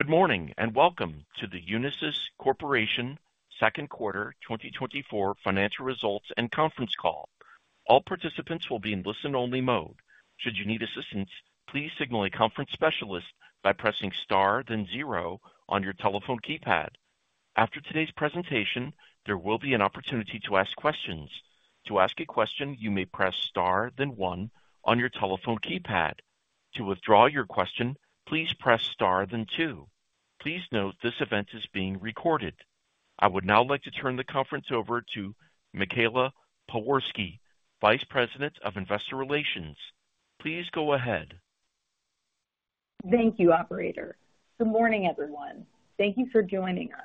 Good morning and welcome to the Unisys Corporation Second Quarter 2024 Financial Results and Conference Call. All participants will be in listen-only mode. Should you need assistance, please signal a conference specialist by pressing star, then zero, on your telephone keypad. After today's presentation, there will be an opportunity to ask questions. To ask a question, you may press star, then one, on your telephone keypad. To withdraw your question, please press star, then two. Please note this event is being recorded. I would now like to turn the conference over to Michaela Pewarski, Vice President of Investor Relations. Please go ahead. Thank you, Operator. Good morning, everyone. Thank you for joining us.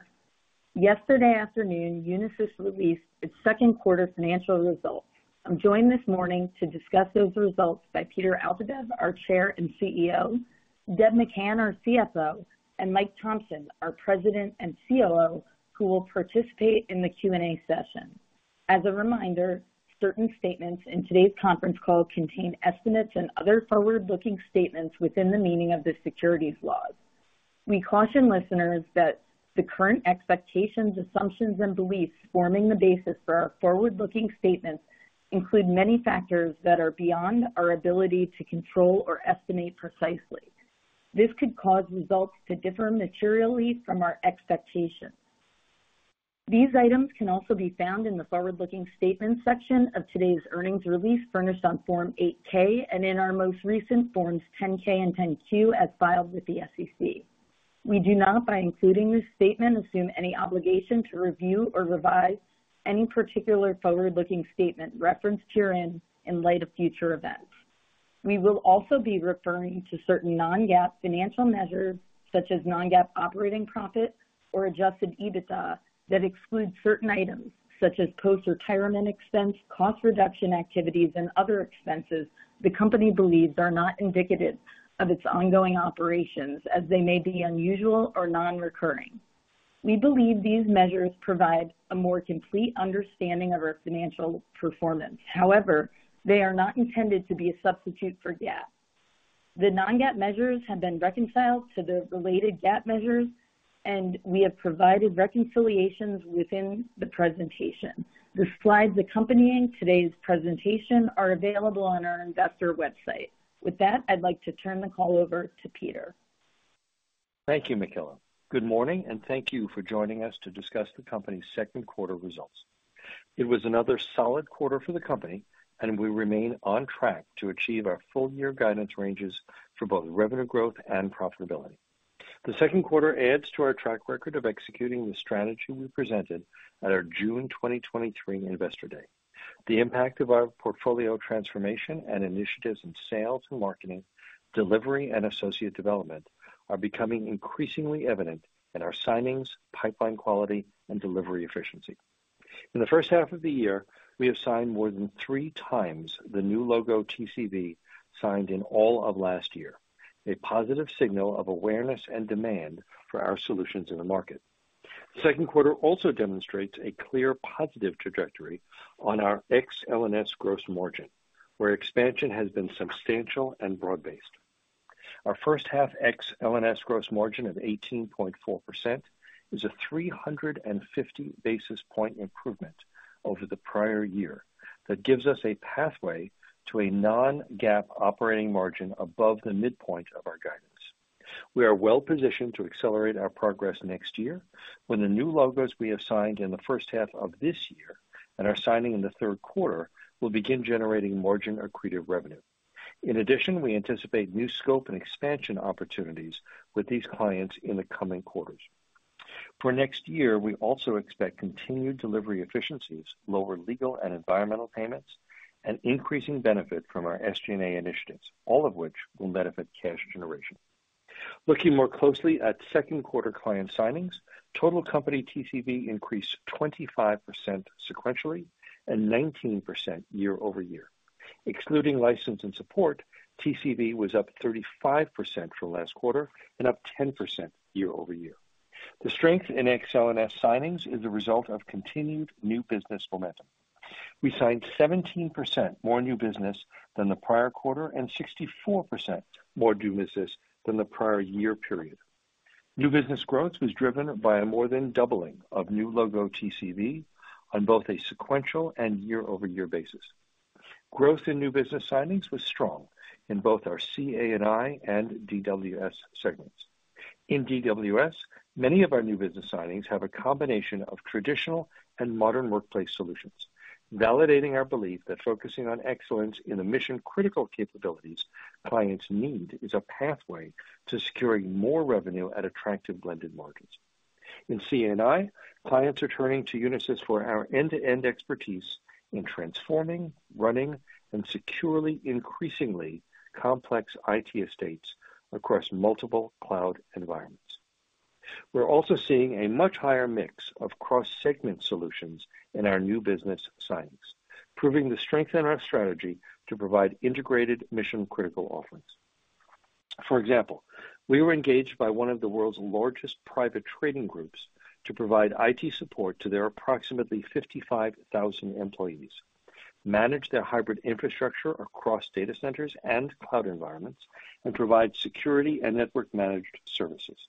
Yesterday afternoon, Unisys released its second quarter financial results. I'm joined this morning to discuss those results by Peter Altabef, our Chair and CEO; Deb McCann, our CFO; and Mike Thomson, our President and COO, who will participate in the Q&A session. As a reminder, certain statements in today's conference call contain estimates and other forward-looking statements within the meaning of the securities laws. We caution listeners that the current expectations, assumptions, and beliefs forming the basis for our forward-looking statements include many factors that are beyond our ability to control or estimate precisely. This could cause results to differ materially from our expectations. These items can also be found in the forward-looking statements section of today's earnings release furnished on Form 8-K and in our most recent Forms 10-K and 10-Q as filed with the SEC. We do not, by including this statement, assume any obligation to review or revise any particular forward-looking statement referenced herein in light of future events. We will also be referring to certain non-GAAP financial measures, such as non-GAAP operating profit or adjusted EBITDA, that exclude certain items, such as post-retirement expense, cost reduction activities, and other expenses the company believes are not indicative of its ongoing operations, as they may be unusual or non-recurring. We believe these measures provide a more complete understanding of our financial performance. However, they are not intended to be a substitute for GAAP. The non-GAAP measures have been reconciled to the related GAAP measures, and we have provided reconciliations within the presentation. The slides accompanying today's presentation are available on our investor website. With that, I'd like to turn the call over to Peter. Thank you, Michaela. Good morning, and thank you for joining us to discuss the company's second quarter results. It was another solid quarter for the company, and we remain on track to achieve our full-year guidance ranges for both revenue growth and profitability. The second quarter adds to our track record of executing the strategy we presented at our June 2023 Investor Day. The impact of our portfolio transformation and initiatives in sales, marketing, delivery, and associate development are becoming increasingly evident in our signings, pipeline quality, and delivery efficiency. In the first half of the year, we have signed more than 3x the new logo TCV signed in all of last year, a positive signal of awareness and demand for our solutions in the market. The second quarter also demonstrates a clear positive trajectory on our ex-L&S gross margin, where expansion has been substantial and broad-based. Our first-half ex-L&S gross margin of 18.4% is a 350 basis point improvement over the prior year that gives us a pathway to a non-GAAP operating margin above the midpoint of our guidance. We are well positioned to accelerate our progress next year when the new logos we have signed in the first half of this year and are signing in the third quarter will begin generating margin-accretive revenue. In addition, we anticipate new scope and expansion opportunities with these clients in the coming quarters. For next year, we also expect continued delivery efficiencies, lower legal and environmental payments, and increasing benefit from our SG&A initiatives, all of which will benefit cash generation. Looking more closely at second quarter client signings, total company TCV increased 25% sequentially and 19% year-over-year. Excluding license and support, TCV was up 35% for the last quarter and up 10% year-over-year. The strength in Ex-L&S signings is the result of continued new business momentum. We signed 17% more new business than the prior quarter and 64% more new business than the prior year period. New business growth was driven by a more than doubling of new logo TCV on both a sequential and year-over-year basis. Growth in new business signings was strong in both our CA&I and DWS segments. In DWS, many of our new business signings have a combination of traditional and modern workplace solutions, validating our belief that focusing on excellence in the mission-critical capabilities clients need is a pathway to securing more revenue at attractive blended margins. In CA&I, clients are turning to Unisys for our end-to-end expertise in transforming, running, and securely increasingly complex IT estates across multiple cloud environments. We're also seeing a much higher mix of cross-segment solutions in our new business signings, proving the strength in our strategy to provide integrated mission-critical offerings. For example, we were engaged by one of the world's largest private trading groups to provide IT support to their approximately 55,000 employees, manage their hybrid infrastructure across data centers and cloud environments, and provide security and network-managed services.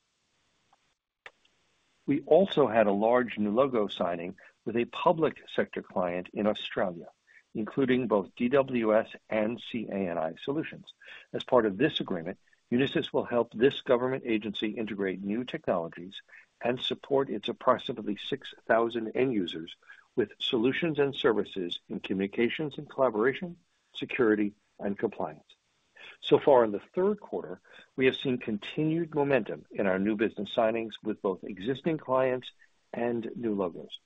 We also had a large logo signing with a public sector client in Australia, including both DWS and CA&I solutions. As part of this agreement, Unisys will help this government agency integrate new technologies and support its approximately 6,000 end users with solutions and services in communications and collaboration, security, and compliance. So far, in the third quarter, we have seen continued momentum in our new business signings with both existing clients and new logos.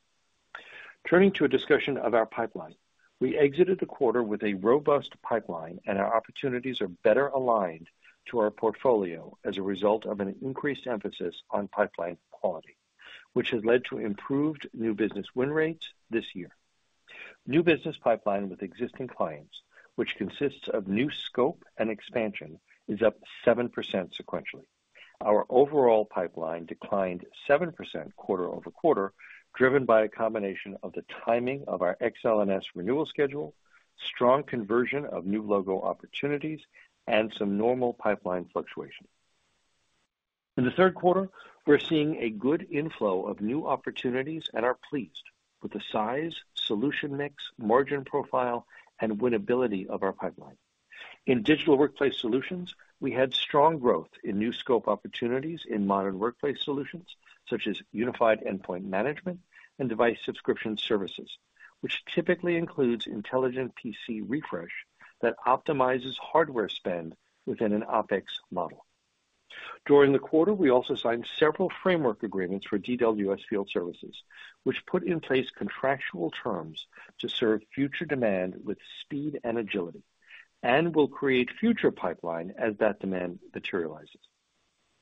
Turning to a discussion of our pipeline, we exited the quarter with a robust pipeline, and our opportunities are better aligned to our portfolio as a result of an increased emphasis on pipeline quality, which has led to improved new business win rates this year. New business pipeline with existing clients, which consists of new scope and expansion, is up 7% sequentially. Our overall pipeline declined 7% quarter-over-quarter, driven by a combination of the timing of our ex-L&S renewal schedule, strong conversion of new logo opportunities, and some normal pipeline fluctuation. In the third quarter, we're seeing a good inflow of new opportunities and are pleased with the size, solution mix, margin profile, and winnability of our pipeline. In Digital Workplace Solutions, we had strong growth in new scope opportunities in modern workplace solutions such as Unified Endpoint Management and Device Subscription Services, which typically includes Intelligent PC Refresh that optimizes hardware spend within an OpEx model. During the quarter, we also signed several framework agreements for DWS field services, which put in place contractual terms to serve future demand with speed and agility and will create future pipeline as that demand materializes.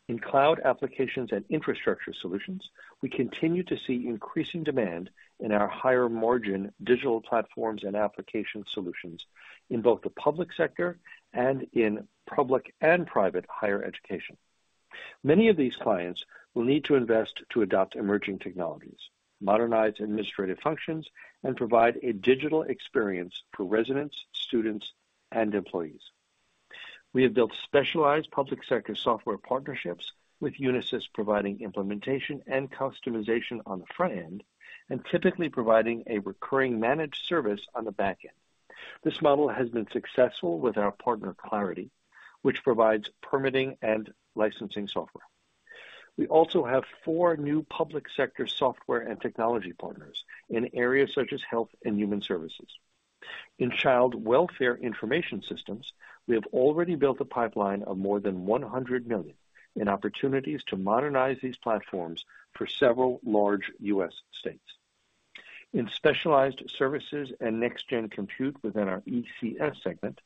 In Cloud Applications and Infrastructure solutions, we continue to see increasing demand in our higher margin digital platforms and application solutions in both the public sector and in public and private higher education. Many of these clients will need to invest to adopt emerging technologies, modernize administrative functions, and provide a digital experience for residents, students, and employees. We have built specialized public sector software partnerships with Unisys, providing implementation and customization on the front end and typically providing a recurring managed service on the back end. This model has been successful with our partner Clariti, which provides permitting and licensing software. We also have four new public sector software and technology partners in areas such as health and human services. In child welfare information systems, we have already built a pipeline of more than $100 million in opportunities to modernize these platforms for several large U.S. states. In specialized services and next-gen compute within our ECS segment,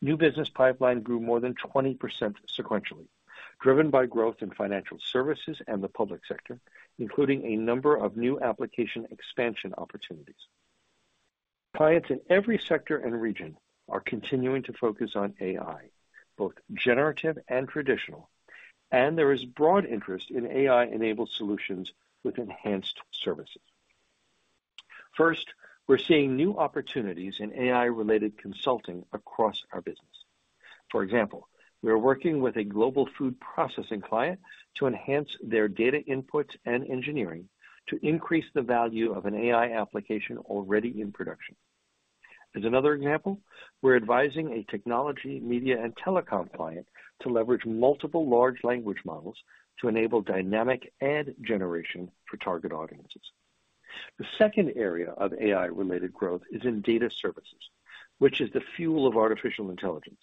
new business pipeline grew more than 20% sequentially, driven by growth in financial services and the public sector, including a number of new application expansion opportunities. Clients in every sector and region are continuing to focus on AI, both generative and traditional, and there is broad interest in AI-enabled solutions with enhanced services. First, we're seeing new opportunities in AI-related consulting across our business. For example, we're working with a global food processing client to enhance their data inputs and engineering to increase the value of an AI application already in production. As another example, we're advising a technology, media, and telecom client to leverage multiple large language models to enable dynamic ad generation for target audiences. The second area of AI-related growth is in data services, which is the fuel of artificial intelligence.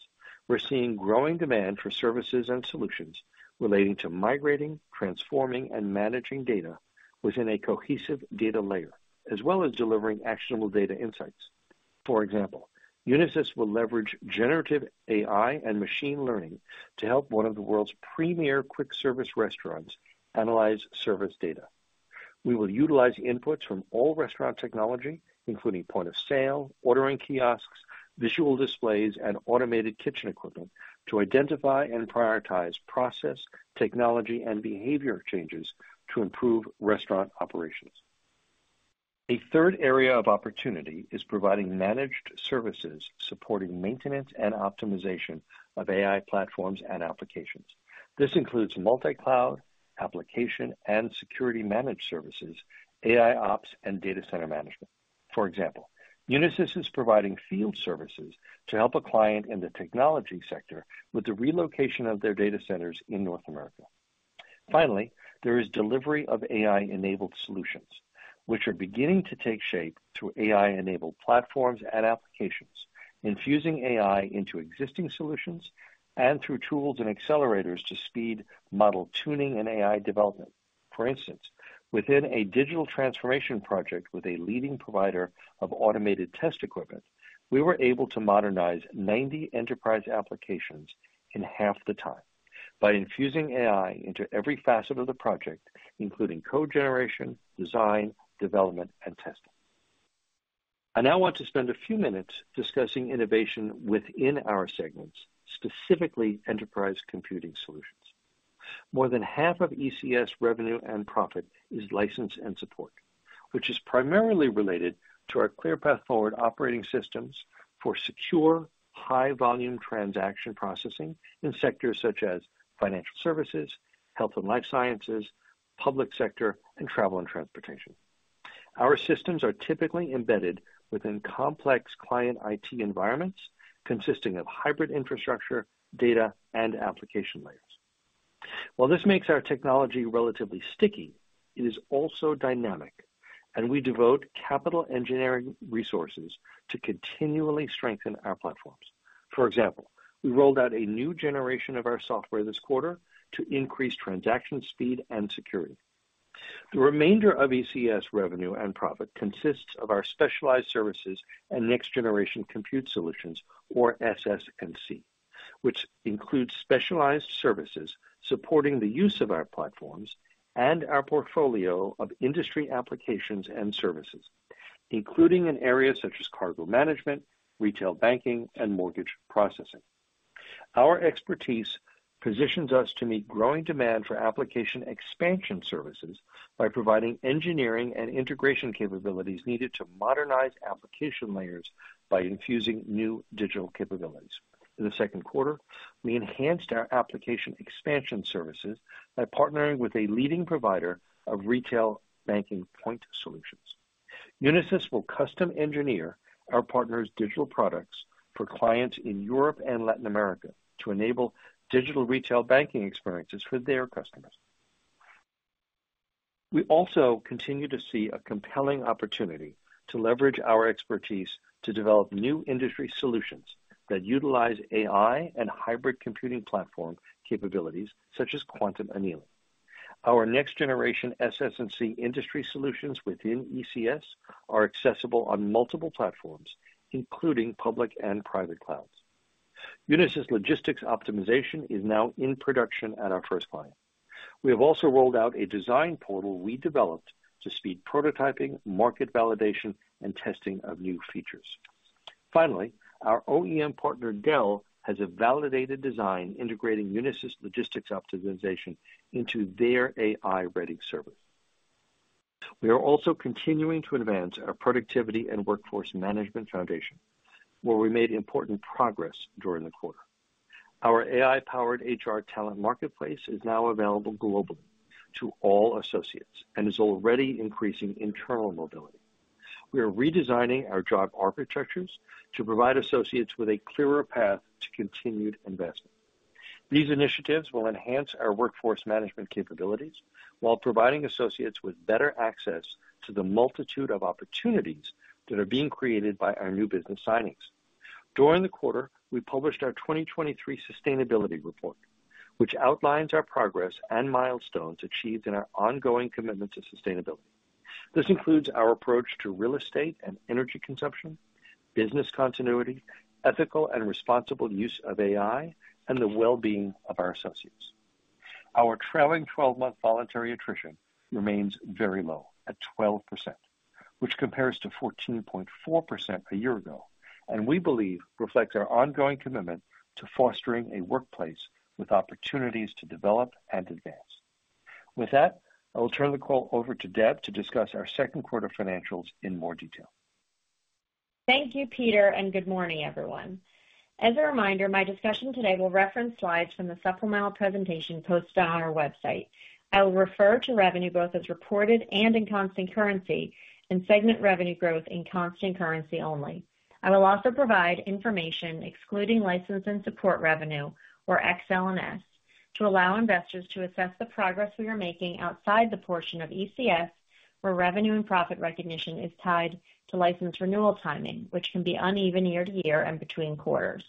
We're seeing growing demand for services and solutions relating to migrating, transforming, and managing data within a cohesive data layer, as well as delivering actionable data insights. For example, Unisys will leverage generative AI and machine learning to help one of the world's premier quick-service restaurants analyze service data. We will utilize inputs from all restaurant technology, including point of sale, ordering kiosks, visual displays, and automated kitchen equipment to identify and prioritize process, technology, and behavior changes to improve restaurant operations. A third area of opportunity is providing managed services supporting maintenance and optimization of AI platforms and applications. This includes multi-cloud application and security-managed services, AIOps, and data center management. For example, Unisys is providing field services to help a client in the technology sector with the relocation of their data centers in North America. Finally, there is delivery of AI-enabled solutions, which are beginning to take shape through AI-enabled platforms and applications, infusing AI into existing solutions and through tools and accelerators to speed model tuning and AI development. For instance, within a digital transformation project with a leading provider of automated test equipment, we were able to modernize 90 enterprise applications in half the time by infusing AI into every facet of the project, including code generation, design, development, and testing. I now want to spend a few minutes discussing innovation within our segments, specifically Enterprise Computing Solutions. More than half of ECS revenue and profit is license and support, which is primarily related to our ClearPath Forward operating systems for secure, high-volume transaction processing in sectors such as financial services, health and life sciences, public sector, and travel and transportation. Our systems are typically embedded within complex client IT environments consisting of hybrid infrastructure, data, and application layers. While this makes our technology relatively sticky, it is also dynamic, and we devote capital engineering resources to continually strengthen our platforms. For example, we rolled out a new generation of our software this quarter to increase transaction speed and security. The remainder of ECS revenue and profit consists of our specialized services and next-generation compute solutions, or SS&C, which includes specialized services supporting the use of our platforms and our portfolio of industry applications and services, including in areas such as cargo management, retail banking, and mortgage processing. Our expertise positions us to meet growing demand for application expansion services by providing engineering and integration capabilities needed to modernize application layers by infusing new digital capabilities. In the second quarter, we enhanced our application expansion services by partnering with a leading provider of retail banking point solutions. Unisys will custom engineer our partner's digital products for clients in Europe and Latin America to enable digital retail banking experiences for their customers. We also continue to see a compelling opportunity to leverage our expertise to develop new industry solutions that utilize AI and hybrid computing platform capabilities such as quantum annealing. Our next-generation SS&C industry solutions within ECS are accessible on multiple platforms, including public and private clouds. Unisys Logistics Optimization is now in production at our first client. We have also rolled out a design portal we developed to speed prototyping, market validation, and testing of new features. Finally, our OEM partner Dell has a validated design integrating Unisys Logistics Optimization into their AI-ready server. We are also continuing to advance our productivity and workforce management foundation, where we made important progress during the quarter. Our AI-powered HR talent marketplace is now available globally to all associates and is already increasing internal mobility. We are redesigning our job architectures to provide associates with a clearer path to continued investment. These initiatives will enhance our workforce management capabilities while providing associates with better access to the multitude of opportunities that are being created by our new business signings. During the quarter, we published our 2023 sustainability report, which outlines our progress and milestones achieved in our ongoing commitment to sustainability. This includes our approach to real estate and energy consumption, business continuity, ethical and responsible use of AI, and the well-being of our associates. Our trailing 12-month voluntary attrition remains very low at 12%, which compares to 14.4% a year ago, and we believe reflects our ongoing commitment to fostering a workplace with opportunities to develop and advance. With that, I will turn the call over to Deb to discuss our second quarter financials in more detail. Thank you, Peter, and good morning, everyone. As a reminder, my discussion today will reference slides from the supplemental presentation posted on our website. I will refer to revenue growth as reported and in constant currency and segment revenue growth in constant currency only. I will also provide information excluding license and support revenue, or Ex-L&S, to allow investors to assess the progress we are making outside the portion of ECS where revenue and profit recognition is tied to license renewal timing, which can be uneven year-to-year and between quarters.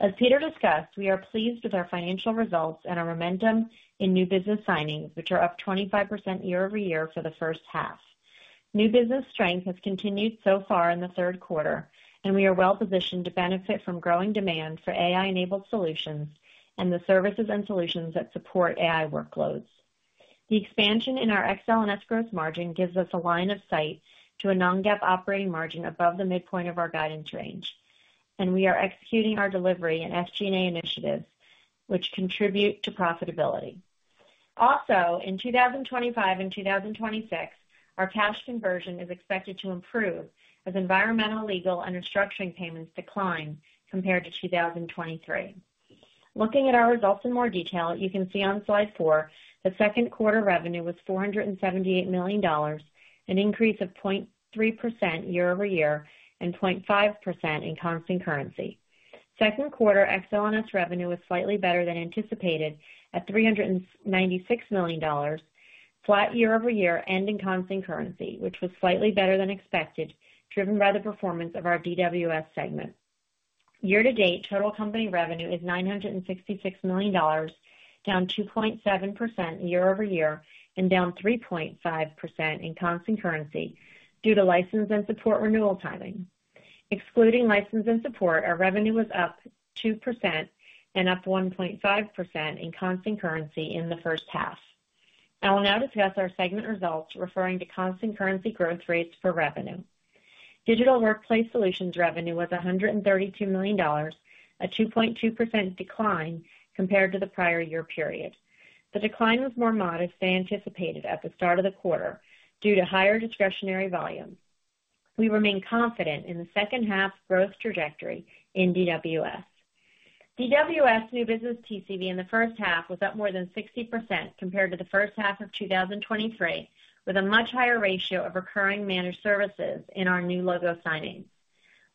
As Peter discussed, we are pleased with our financial results and our momentum in new business signings, which are up 25% year-over-year for the first half. New business strength has continued so far in the third quarter, and we are well positioned to benefit from growing demand for AI-enabled solutions and the services and solutions that support AI workloads. The expansion in our Ex-L&S growth margin gives us a line of sight to a non-GAAP operating margin above the midpoint of our guidance range, and we are executing our delivery and SG&A initiatives, which contribute to profitability. Also, in 2025 and 2026, our cash conversion is expected to improve as environmental, legal, and restructuring payments decline compared to 2023. Looking at our results in more detail, you can see on slide four, the second quarter revenue was $478 million, an increase of 0.3% year-over-year and 0.5% in constant currency. Second quarter Ex-L&S revenue was slightly better than anticipated at $396 million, flat year-over-year and in constant currency, which was slightly better than expected, driven by the performance of our DWS segment. Year to date, total company revenue is $966 million, down 2.7% year-over-year and down 3.5% in constant currency due to license and support renewal timing. Excluding license and support, our revenue was up 2% and up 1.5% in constant currency in the first half. I will now discuss our segment results referring to constant currency growth rates for revenue. Digital Workplace Solutions revenue was $132 million, a 2.2% decline compared to the prior year period. The decline was more modest than anticipated at the start of the quarter due to higher discretionary volume. We remain confident in the second half growth trajectory in DWS. DWS new business TCV in the first half was up more than 60% compared to the first half of 2023, with a much higher ratio of recurring managed services in our new logo signing.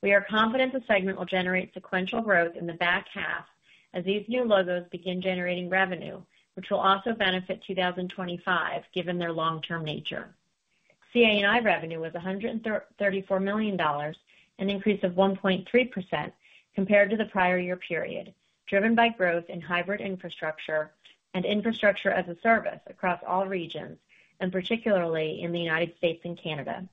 We are confident the segment will generate sequential growth in the back half as these new logos begin generating revenue, which will also benefit 2025 given their long-term nature. CA&I revenue was $134 million, an increase of 1.3% compared to the prior year period, driven by growth in hybrid infrastructure and infrastructure as a service across all regions, and particularly in the United States and Canada.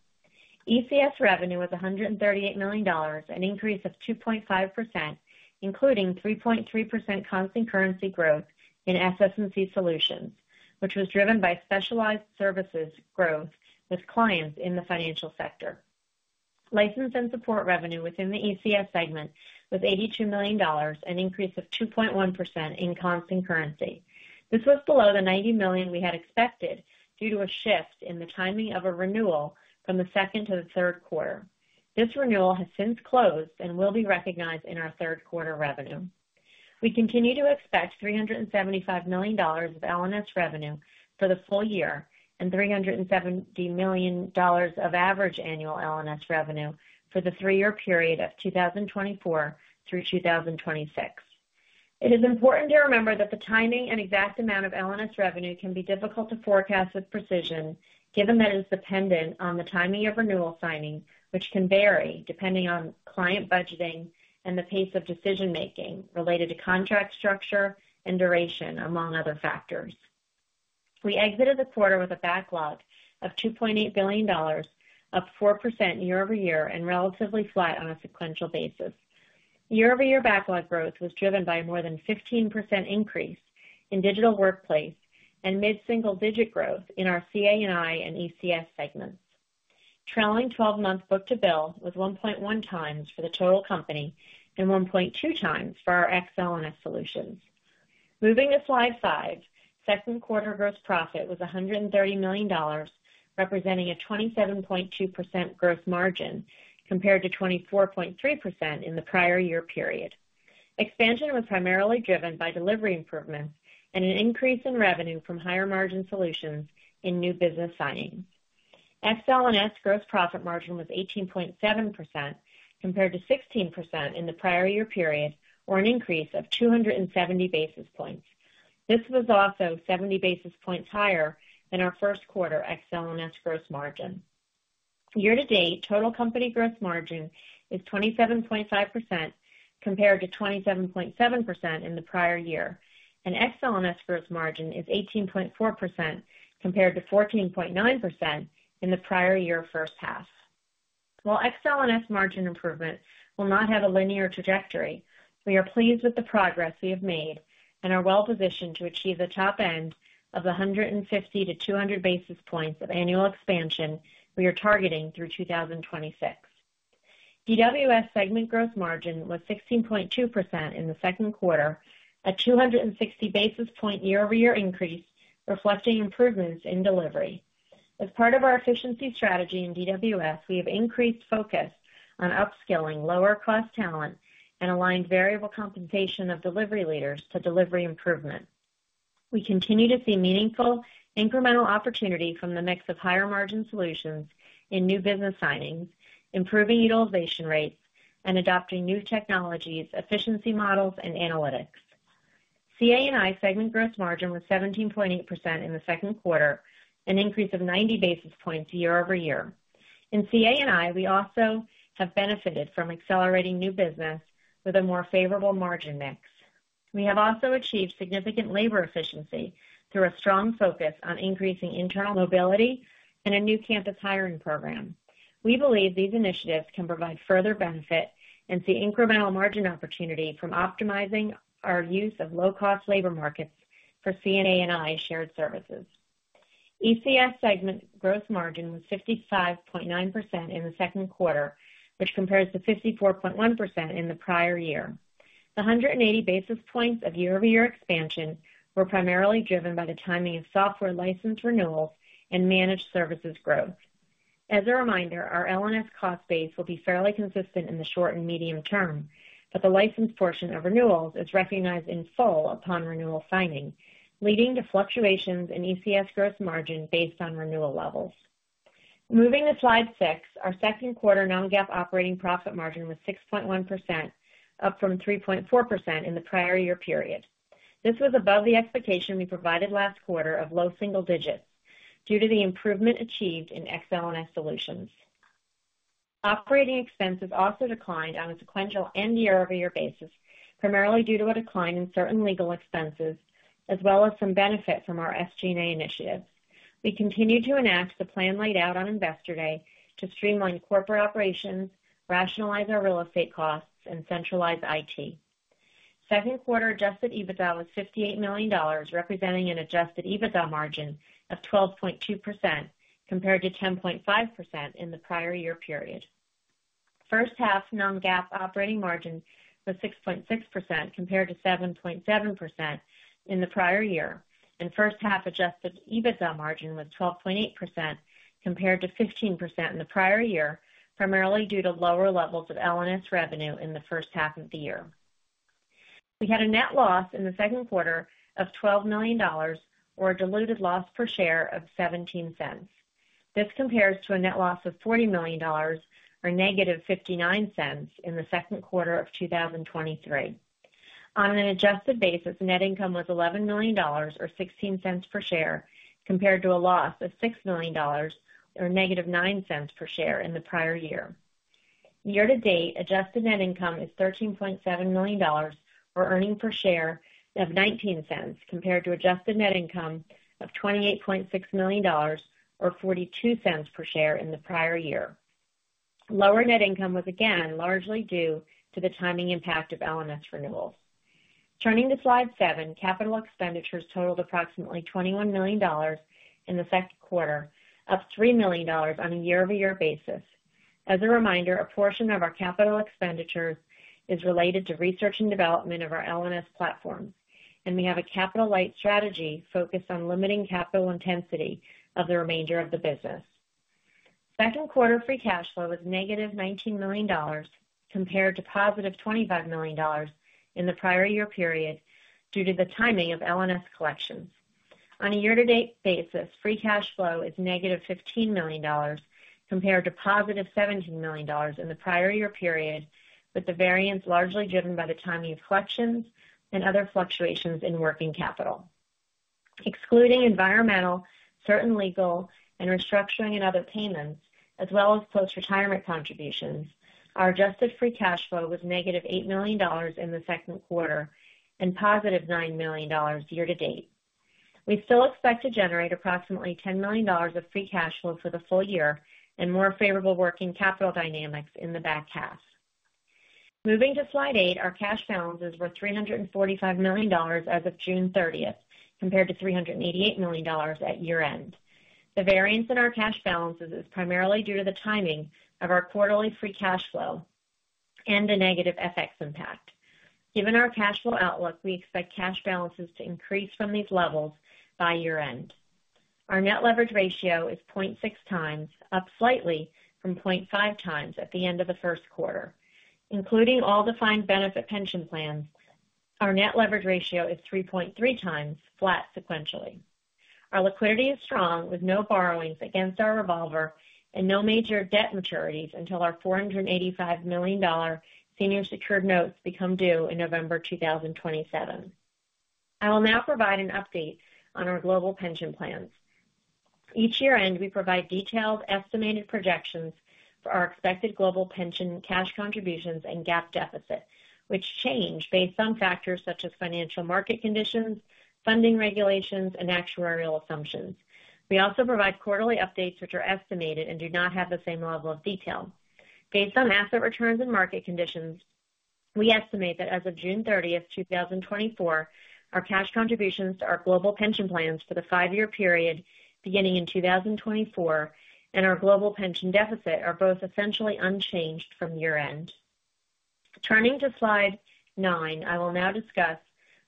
ECS revenue was $138 million, an increase of 2.5%, including 3.3% constant currency growth in SS&C solutions, which was driven by specialized services growth with clients in the financial sector. License and support revenue within the ECS segment was $82 million, an increase of 2.1% in constant currency. This was below the $90 million we had expected due to a shift in the timing of a renewal from the second to the third quarter. This renewal has since closed and will be recognized in our third quarter revenue. We continue to expect $375 million of L&S revenue for the full year and $370 million of average annual L&S revenue for the three-year period of 2024 through 2026. It is important to remember that the timing and exact amount of L&S revenue can be difficult to forecast with precision, given that it is dependent on the timing of renewal signing, which can vary depending on client budgeting and the pace of decision-making related to contract structure and duration, among other factors. We exited the quarter with a backlog of $2.8 billion, up 4% year-over-year, and relatively flat on a sequential basis. Year-over-year backlog growth was driven by a more than 15% increase in digital workplace and mid-single-digit growth in our CA&I and ECS segments. Trailing 12-month book-to-bill was 1.1x for the total company and 1.2x for our Ex-L&S solutions. Moving to slide five, second quarter gross profit was $130 million, representing a 27.2% gross margin compared to 24.3% in the prior year period. Expansion was primarily driven by delivery improvements and an increase in revenue from higher margin solutions in new business signings. Ex-L&S gross profit margin was 18.7% compared to 16% in the prior year period, or an increase of 270 basis points. This was also 70 basis points higher than our first quarter Ex-L&S gross margin. Year to date, total company gross margin is 27.5% compared to 27.7% in the prior year, and Ex-L&S gross margin is 18.4% compared to 14.9% in the prior year first half. While Ex-L&S margin improvement will not have a linear trajectory, we are pleased with the progress we have made and are well positioned to achieve the top end of the 150-200 basis points of annual expansion we are targeting through 2026. DWS segment gross margin was 16.2% in the second quarter, a 260 basis point year-over-year increase, reflecting improvements in delivery. As part of our efficiency strategy in DWS, we have increased focus on upskilling lower-cost talent and aligned variable compensation of delivery leaders to delivery improvement. We continue to see meaningful incremental opportunity from the mix of higher margin solutions in new business signings, improving utilization rates, and adopting new technologies, efficiency models, and analytics. CA&I segment gross margin was 17.8% in the second quarter, an increase of 90 basis points year-over-year. In CA&I, we also have benefited from accelerating new business with a more favorable margin mix. We have also achieved significant labor efficiency through a strong focus on increasing internal mobility and a new campus hiring program. We believe these initiatives can provide further benefit and see incremental margin opportunity from optimizing our use of low-cost labor markets for CA&I shared services. ECS segment gross margin was 55.9% in the second quarter, which compares to 54.1% in the prior year. The 180 basis points of year-over-year expansion were primarily driven by the timing of software license renewals and managed services growth. As a reminder, our L&S cost base will be fairly consistent in the short and medium term, but the license portion of renewals is recognized in full upon renewal signing, leading to fluctuations in ECS gross margin based on renewal levels. Moving to slide six, our second quarter non-GAAP operating profit margin was 6.1%, up from 3.4% in the prior year period. This was above the expectation we provided last quarter of low single digits due to the improvement achieved in Ex-L&S solutions. Operating expenses also declined on a sequential and year-over-year basis, primarily due to a decline in certain legal expenses, as well as some benefit from our SG&A initiatives. We continue to enact the plan laid out on Investor Day to streamline corporate operations, rationalize our real estate costs, and centralize IT. Second quarter Adjusted EBITDA was $58 million, representing an Adjusted EBITDA margin of 12.2% compared to 10.5% in the prior year period. First half non-GAAP operating margin was 6.6% compared to 7.7% in the prior year, and first half adjusted EBITDA margin was 12.8% compared to 15% in the prior year, primarily due to lower levels of L&S revenue in the first half of the year. We had a net loss in the second quarter of $12 million, or a diluted loss per share of $0.17. This compares to a net loss of $40 million, or -$0.59 in the second quarter of 2023. On an adjusted basis, net income was $11 million, or $0.16 per share, compared to a loss of $6 million, or -$0.09 per share in the prior year. Year to date, adjusted net income is $13.7 million, or earnings per share of $0.19, compared to adjusted net income of $28.6 million, or $0.42 per share in the prior year. Lower net income was again largely due to the timing impact of L&S renewals. Turning to slide seven, capital expenditures totaled approximately $21 million in the second quarter, up $3 million on a year-over-year basis. As a reminder, a portion of our capital expenditures is related to research and development of our L&S platforms, and we have a capital light strategy focused on limiting capital intensity of the remainder of the business. Second quarter free cash flow was -$19 million compared to +$25 million in the prior year period due to the timing of L&S collections. On a year-to-date basis, free cash flow is -$15 million compared to +$17 million in the prior year period, with the variance largely driven by the timing of collections and other fluctuations in working capital. Excluding environmental, certain legal, and restructuring and other payments, as well as post-retirement contributions, our Adjusted Free Cash Flow was -$8 million in the second quarter and +$9 million year to date. We still expect to generate approximately $10 million of free cash flow for the full year and more favorable working capital dynamics in the back half. Moving to slide eight, our cash balances were $345 million as of June 30th, compared to $388 million at year-end. The variance in our cash balances is primarily due to the timing of our quarterly free cash flow and the negative FX impact. Given our cash flow outlook, we expect cash balances to increase from these levels by year-end. Our net leverage ratio is 0.6x, up slightly from 0.5x at the end of the first quarter. Including all defined benefit pension plans, our net leverage ratio is 3.3x, flat sequentially. Our liquidity is strong with no borrowings against our revolver and no major debt maturities until our $485 million senior secured notes become due in November 2027. I will now provide an update on our global pension plans. Each year-end, we provide detailed estimated projections for our expected global pension cash contributions and gap deficit, which change based on factors such as financial market conditions, funding regulations, and actuarial assumptions. We also provide quarterly updates, which are estimated and do not have the same level of detail. Based on asset returns and market conditions, we estimate that as of June 30th, 2024, our cash contributions to our global pension plans for the five-year period beginning in 2024 and our global pension deficit are both essentially unchanged from year-end. Turning to slide nine, I will now discuss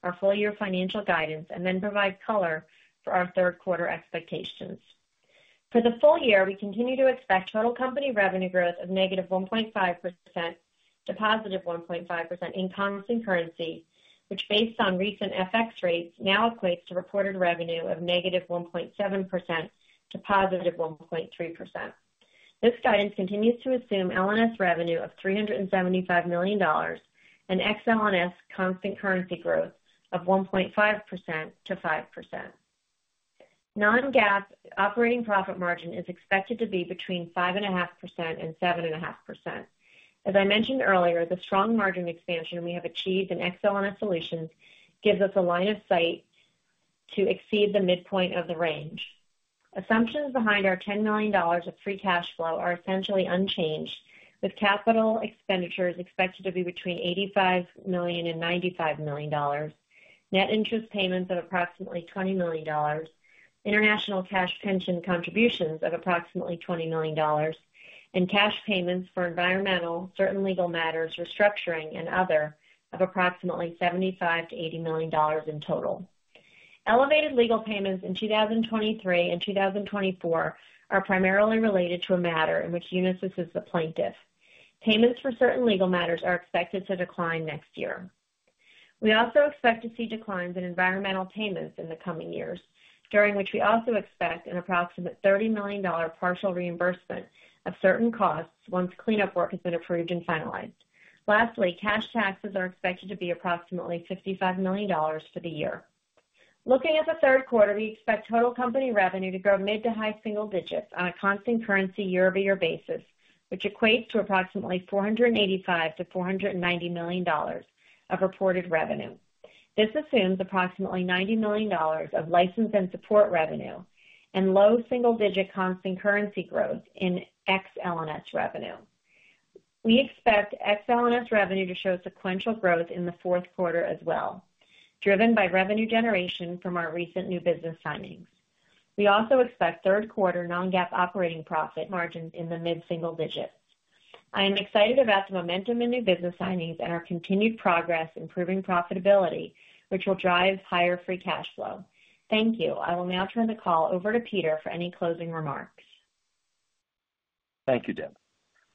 our full-year financial guidance and then provide color for our third quarter expectations. For the full year, we continue to expect total company revenue growth of -1.5% to +1.5% in constant currency, which, based on recent FX rates, now equates to reported revenue of -1.7% to +1.3%. This guidance continues to assume L&S revenue of $375 million and Ex-L&S constant currency growth of 1.5%-5%. Non-GAAP operating profit margin is expected to be between 5.5% and 7.5%. As I mentioned earlier, the strong margin expansion we have achieved in Ex-L&S solutions gives us a line of sight to exceed the midpoint of the range. Assumptions behind our $10 million of free cash flow are essentially unchanged, with capital expenditures expected to be between $85 million and $95 million, net interest payments of approximately $20 million, international cash pension contributions of approximately $20 million, and cash payments for environmental, certain legal matters, restructuring, and other of approximately $75-$80 million in total. Elevated legal payments in 2023 and 2024 are primarily related to a matter in which Unisys is the plaintiff. Payments for certain legal matters are expected to decline next year. We also expect to see declines in environmental payments in the coming years, during which we also expect an approximate $30 million partial reimbursement of certain costs once cleanup work has been approved and finalized. Lastly, cash taxes are expected to be approximately $55 million for the year. Looking at the third quarter, we expect total company revenue to grow mid- to high-single digits on a constant currency year-over-year basis, which equates to approximately $485 million-$490 million of reported revenue. This assumes approximately $90 million of license and support revenue and low single-digit constant currency growth in Ex-L&S revenue. We expect Ex-L&S revenue to show sequential growth in the fourth quarter as well, driven by revenue generation from our recent new business signings. We also expect third quarter non-GAAP operating profit margins in the mid-single digits. I am excited about the momentum in new business signings and our continued progress improving profitability, which will drive higher free cash flow. Thank you. I will now turn the call over to Peter for any closing remarks. Thank you, Deb.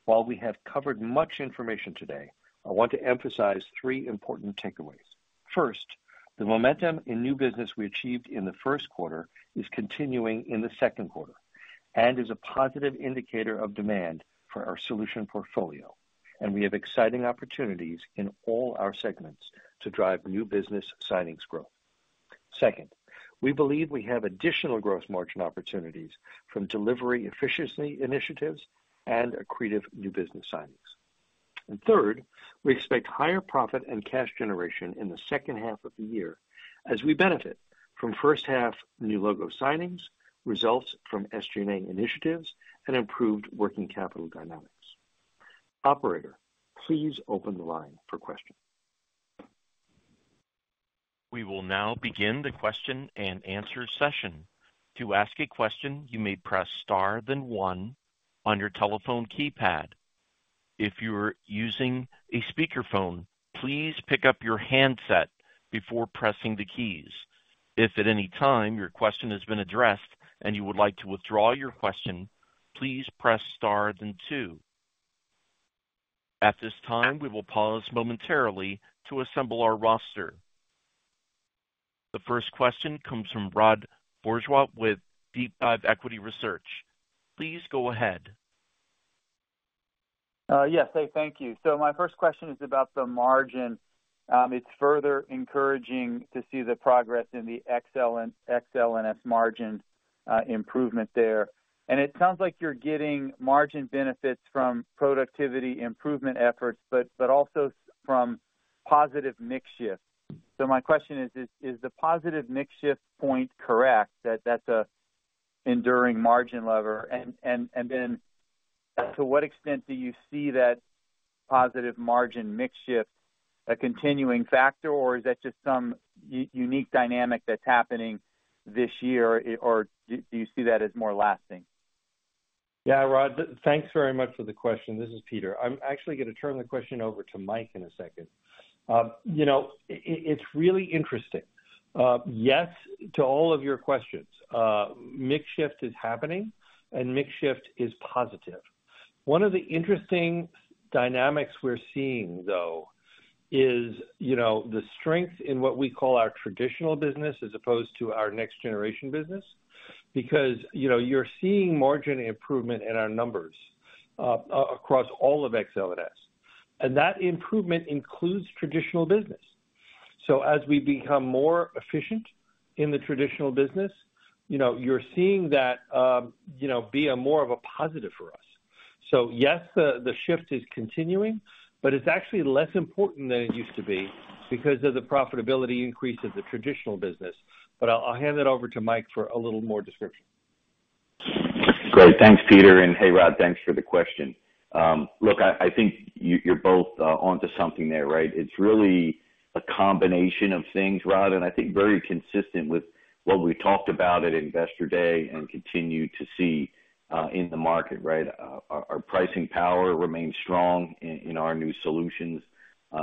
While we have covered much information today, I want to emphasize three important takeaways. First, the momentum in new business we achieved in the first quarter is continuing in the second quarter and is a positive indicator of demand for our solution portfolio, and we have exciting opportunities in all our segments to drive new business signings growth. Second, we believe we have additional gross margin opportunities from delivery efficiency initiatives and accretive new business signings. And third, we expect higher profit and cash generation in the second half of the year as we benefit from first half new logo signings, results from SG&A initiatives, and improved working capital dynamics. Operator, please open the line for questions. We will now begin the question and answer session. To ask a question, you may press star then one on your telephone keypad. If you are using a speakerphone, please pick up your handset before pressing the keys. If at any time your question has been addressed and you would like to withdraw your question, please press star then two. At this time, we will pause momentarily to assemble our roster. The first question comes from Rod Bourgeois with DeepDive Equity Research. Please go ahead. Yes, thank you. So my first question is about the margin. It's further encouraging to see the progress in the Ex-L&S margin improvement there. And it sounds like you're getting margin benefits from productivity improvement efforts, but also from positive mix shift. So my question is, is the positive mix shift point correct? That's an enduring margin lever. And then to what extent do you see that positive margin mix shift a continuing factor, or is that just some unique dynamic that's happening this year, or do you see that as more lasting? Yeah, Rod, thanks very much for the question. This is Peter. I'm actually going to turn the question over to Mike in a second. You know, it's really interesting. Yes to all of your questions. Mix shift is happening, and mix shift is positive. One of the interesting dynamics we're seeing, though, is the strength in what we call our traditional business as opposed to our next generation business, because you're seeing margin improvement in our numbers across all of Ex-L&S. And that improvement includes traditional business. So as we become more efficient in the traditional business, you're seeing that be a more of a positive for us. So yes, the shift is continuing, but it's actually less important than it used to be because of the profitability increase of the traditional business. But I'll hand it over to Mike for a little more description. Great. Thanks, Peter. And hey, Rod, thanks for the question. Look, I think you're both onto something there, right? It's really a combination of things, Rod, and I think very consistent with what we talked about at Investor Day and continue to see in the market, right? Our pricing power remains strong in our new solutions.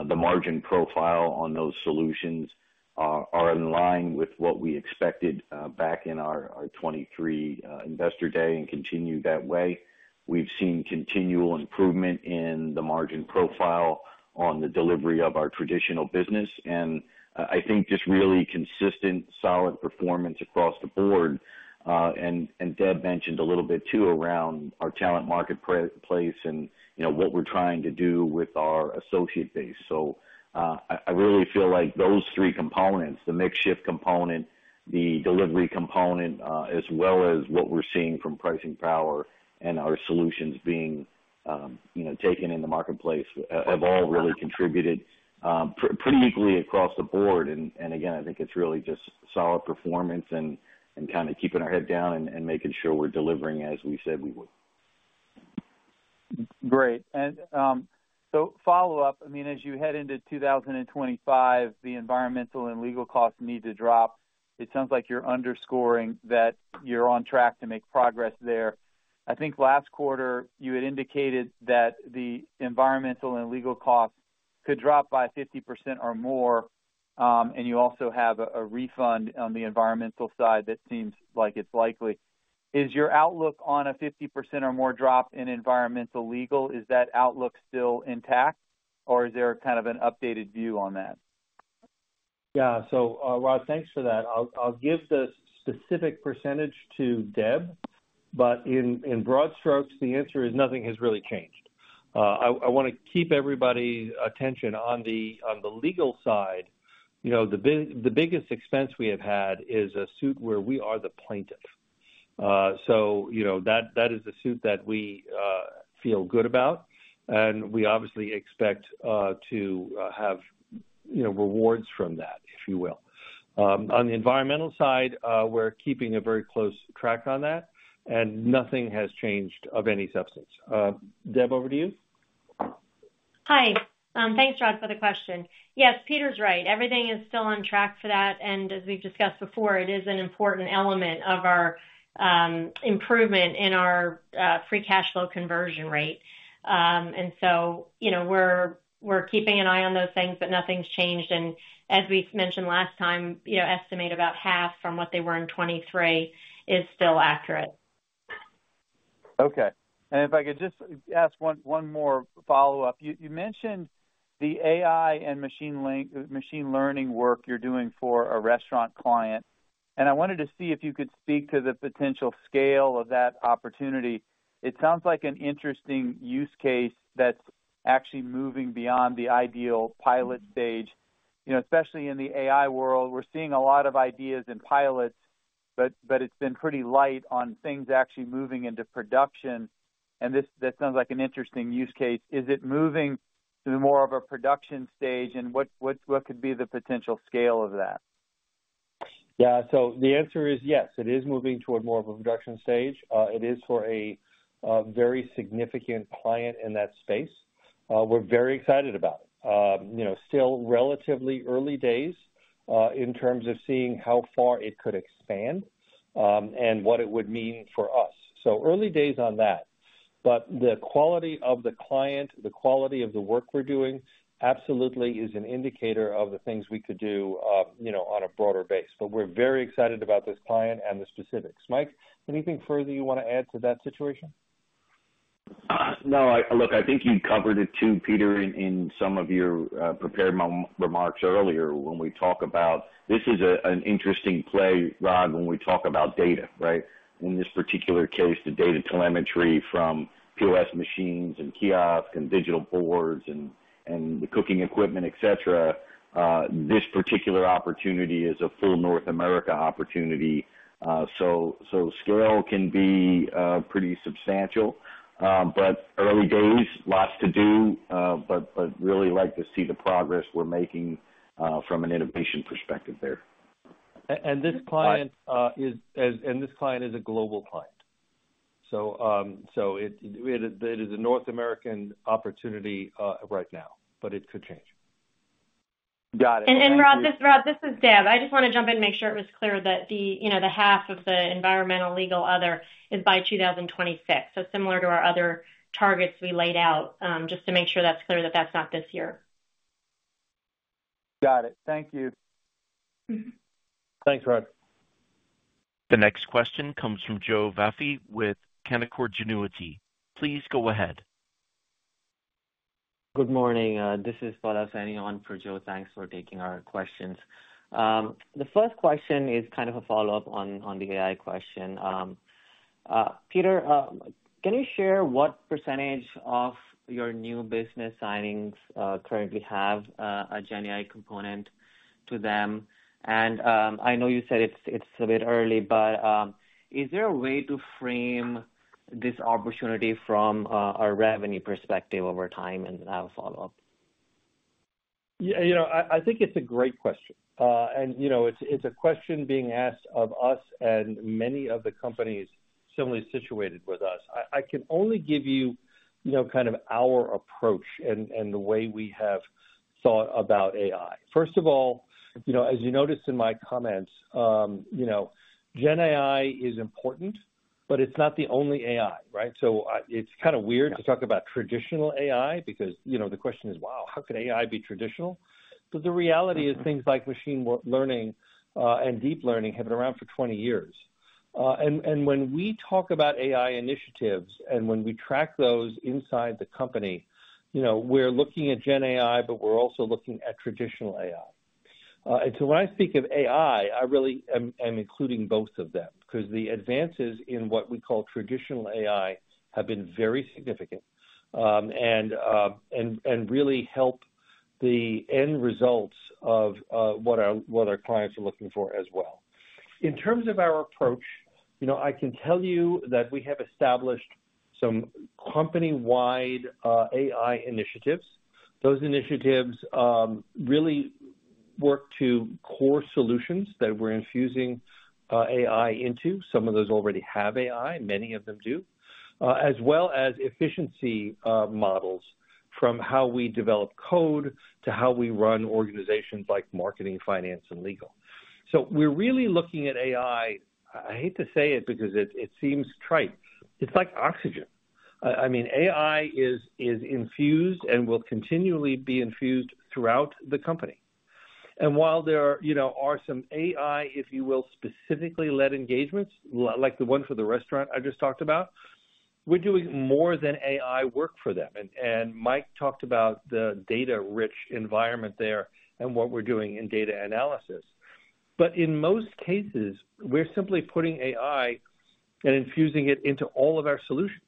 The margin profile on those solutions are in line with what we expected back in our 2023 Investor Day and continue that way. We've seen continual improvement in the margin profile on the delivery of our traditional business. And I think just really consistent, solid performance across the board. And Deb mentioned a little bit too around our talent marketplace and what we're trying to do with our associate base. So I really feel like those three components, the mix shift component, the delivery component, as well as what we're seeing from pricing power and our solutions being taken in the marketplace, have all really contributed pretty equally across the board. And again, I think it's really just solid performance and kind of keeping our head down and making sure we're delivering as we said we would. Great. And so follow-up, I mean, as you head into 2025, the environmental and legal costs need to drop. It sounds like you're underscoring that you're on track to make progress there. I think last quarter, you had indicated that the environmental and legal costs could drop by 50% or more, and you also have a refund on the environmental side that seems like it's likely. Is your outlook on a 50% or more drop in environmental legal? Is that outlook still intact, or is there kind of an updated view on that? Yeah. So, Rod, thanks for that. I'll give the specific percentage to Deb, but in broad strokes, the answer is nothing has really changed. I want to keep everybody's attention on the legal side. The biggest expense we have had is a suit where we are the plaintiff. So that is a suit that we feel good about, and we obviously expect to have rewards from that, if you will. On the environmental side, we're keeping a very close track on that, and nothing has changed of any substance. Deb, over to you. Hi. Thanks, Rod, for the question. Yes, Peter's right. Everything is still on track for that. And as we've discussed before, it is an important element of our improvement in our Free Cash Flow conversion rate. And so we're keeping an eye on those things, but nothing's changed. And as we mentioned last time, estimate about half from what they were in 2023 is still accurate. Okay. And if I could just ask one more follow-up. You mentioned the AI and machine learning work you're doing for a restaurant client, and I wanted to see if you could speak to the potential scale of that opportunity. It sounds like an interesting use case that's actually moving beyond the ideal pilot stage, especially in the AI world. We're seeing a lot of ideas and pilots, but it's been pretty light on things actually moving into production. And that sounds like an interesting use case. Is it moving to more of a production stage, and what could be the potential scale of that? Yeah. So the answer is yes. It is moving toward more of a production stage. It is for a very significant client in that space. We're very excited about it. Still relatively early days in terms of seeing how far it could expand and what it would mean for us. So early days on that. But the quality of the client, the quality of the work we're doing, absolutely is an indicator of the things we could do on a broader base. But we're very excited about this client and the specifics. Mike, anything further you want to add to that situation? No. Look, I think you covered it too, Peter, in some of your prepared remarks earlier when we talk about this is an interesting play, Rod, when we talk about data, right? In this particular case, the data telemetry from POS machines and kiosks and digital boards and the cooking equipment, et cetera. This particular opportunity is a full North America opportunity. So scale can be pretty substantial, but early days, lots to do, but really like to see the progress we're making from an innovation perspective there. And this client is a global client. So it is a North American opportunity right now, but it could change. Got it. And Rod, this is Deb. I just want to jump in and make sure it was clear that the half of the environmental legal other is by 2026. So similar to our other targets we laid out, just to make sure that's clear that that's not this year. Got it. Thank you. Thanks, Rod. The next question comes from Joe Vafi with Canaccord Genuity. Please go ahead. Good morning. This is Pallav Saini on for Joe. Thanks for taking our questions. The first question is kind of a follow-up on the AI question. Peter, can you share what percentage of your new business signings currently have a Gen AI component to them? And I know you said it's a bit early, but is there a way to frame this opportunity from a revenue perspectiveover time and have a follow-up? Yeah. I think it's a great question. It's a question being asked of us and many of the companies similarly situated with us. I can only give you kind of our approach and the way we have thought about AI. First of all, as you noticed in my comments, Gen AI is important, but it's not the only AI, right? So it's kind of weird to talk about traditional AI because the question is, wow, how could AI be traditional? But the reality is things like machine learning and deep learning have been around for 20 years. And when we talk about AI initiatives and when we track those inside the company, we're looking at Gen AI, but we're also looking at traditional AI. And so when I speak of AI, I really am including both of them because the advances in what we call traditional AI have been very significant and really help the end results of what our clients are looking for as well. In terms of our approach, I can tell you that we have established some company-wide AI initiatives. Those initiatives really work to core solutions that we're infusing AI into. Some of those already have AI, many of them do, as well as efficiency models from how we develop code to how we run organizations like marketing, finance, and legal. So we're really looking at AI. I hate to say it because it seems trite. It's like oxygen. I mean, AI is infused and will continually be infused throughout the company. And while there are some AI, if you will, specifically led engagements, like the one for the restaurant I just talked about, we're doing more than AI work for them. And Mike talked about the data-rich environment there and what we're doing in data analysis. But in most cases, we're simply putting AI and infusing it into all of our solutions.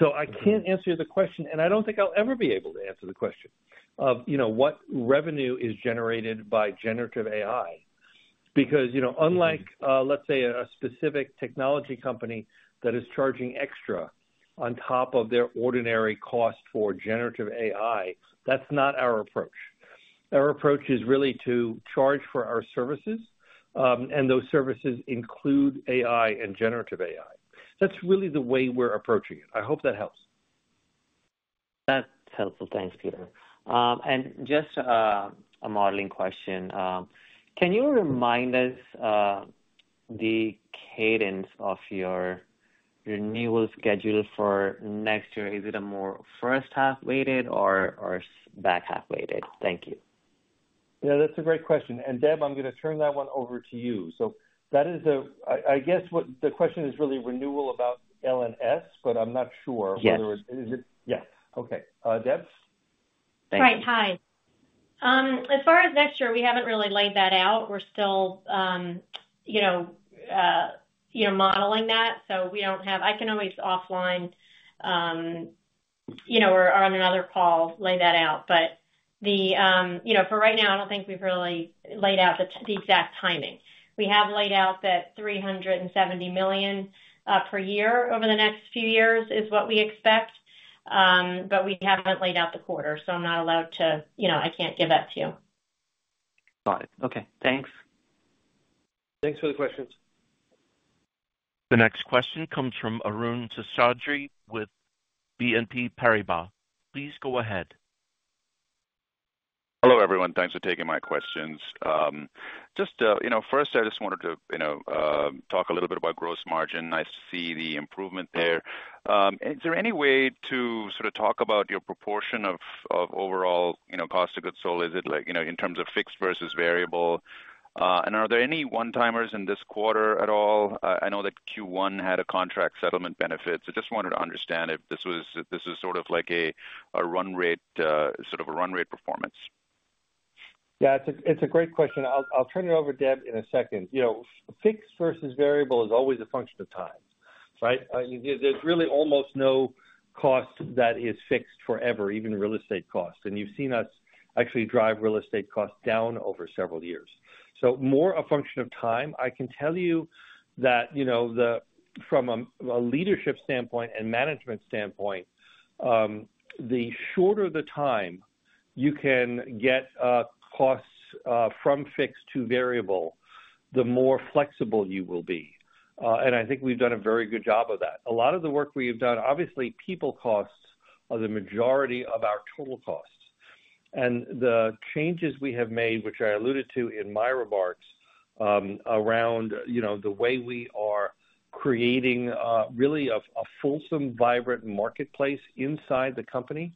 So I can't answer the question, and I don't think I'll ever be able to answer the question of what revenue is generated by generative AI because unlike, let's say, a specific technology company that is charging extra on top of their ordinary cost for generative AI, that's not our approach. Our approach is really to charge for our services, and those services include AI and generative AI. That's really the way we're approaching it. I hope that helps. That's helpful. Thanks, Peter. Just a modeling question. Can you remind us the cadence of your renewal schedule for next year? Is it a more first half weighted or back half weighted? Thank you. Yeah, that's a great question. Deb, I'm going to turn that one over to you. So that is a, I guess the question is really renewal about L&S, but I'm not sure whether it's—yeah. Okay. Deb? Thank you. Hi. As far as next year, we haven't really laid that out. We're still modeling that. So we don't have—I can always offline or on another call lay that out. But for right now, I don't think we've really laid out the exact timing. We have laid out that $370 million per year over the next few years is what we expect, but we haven't laid out the quarter. So I'm not allowed to—I can't give that to you. Got it. Okay. Thanks. Thanks for the questions. The next question comes from Arun Seshadri with BNP Paribas. Please go ahead. Hello, everyone. Thanks for taking my questions. Just first, I just wanted to talk a little bit about gross margin. Nice to see the improvement there. Is there any way to sort of talk about your proportion of overall cost of goods sold? Is it in terms of fixed versus variable? And are there any one-timers in this quarter at all? I know that Q1 had a contract settlement benefit. So just wanted to understand if this was sort of like a run rate, sort of a run rate performance. Yeah, it's a great question. I'll turn it over to Deb in a second. Fixed versus variable is always a function of time, right? There's really almost no cost that is fixed forever, even real estate costs. And you've seen us actually drive real estate costs down over several years. So more a function of time. I can tell you that from a leadership standpoint and management standpoint, the shorter the time you can get costs from fixed to variable, the more flexible you will be. And I think we've done a very good job of that. A lot of the work we have done, obviously, people costs are the majority of our total costs. And the changes we have made, which I alluded to in my remarks around the way we are creating really a fulsome, vibrant marketplace inside the company.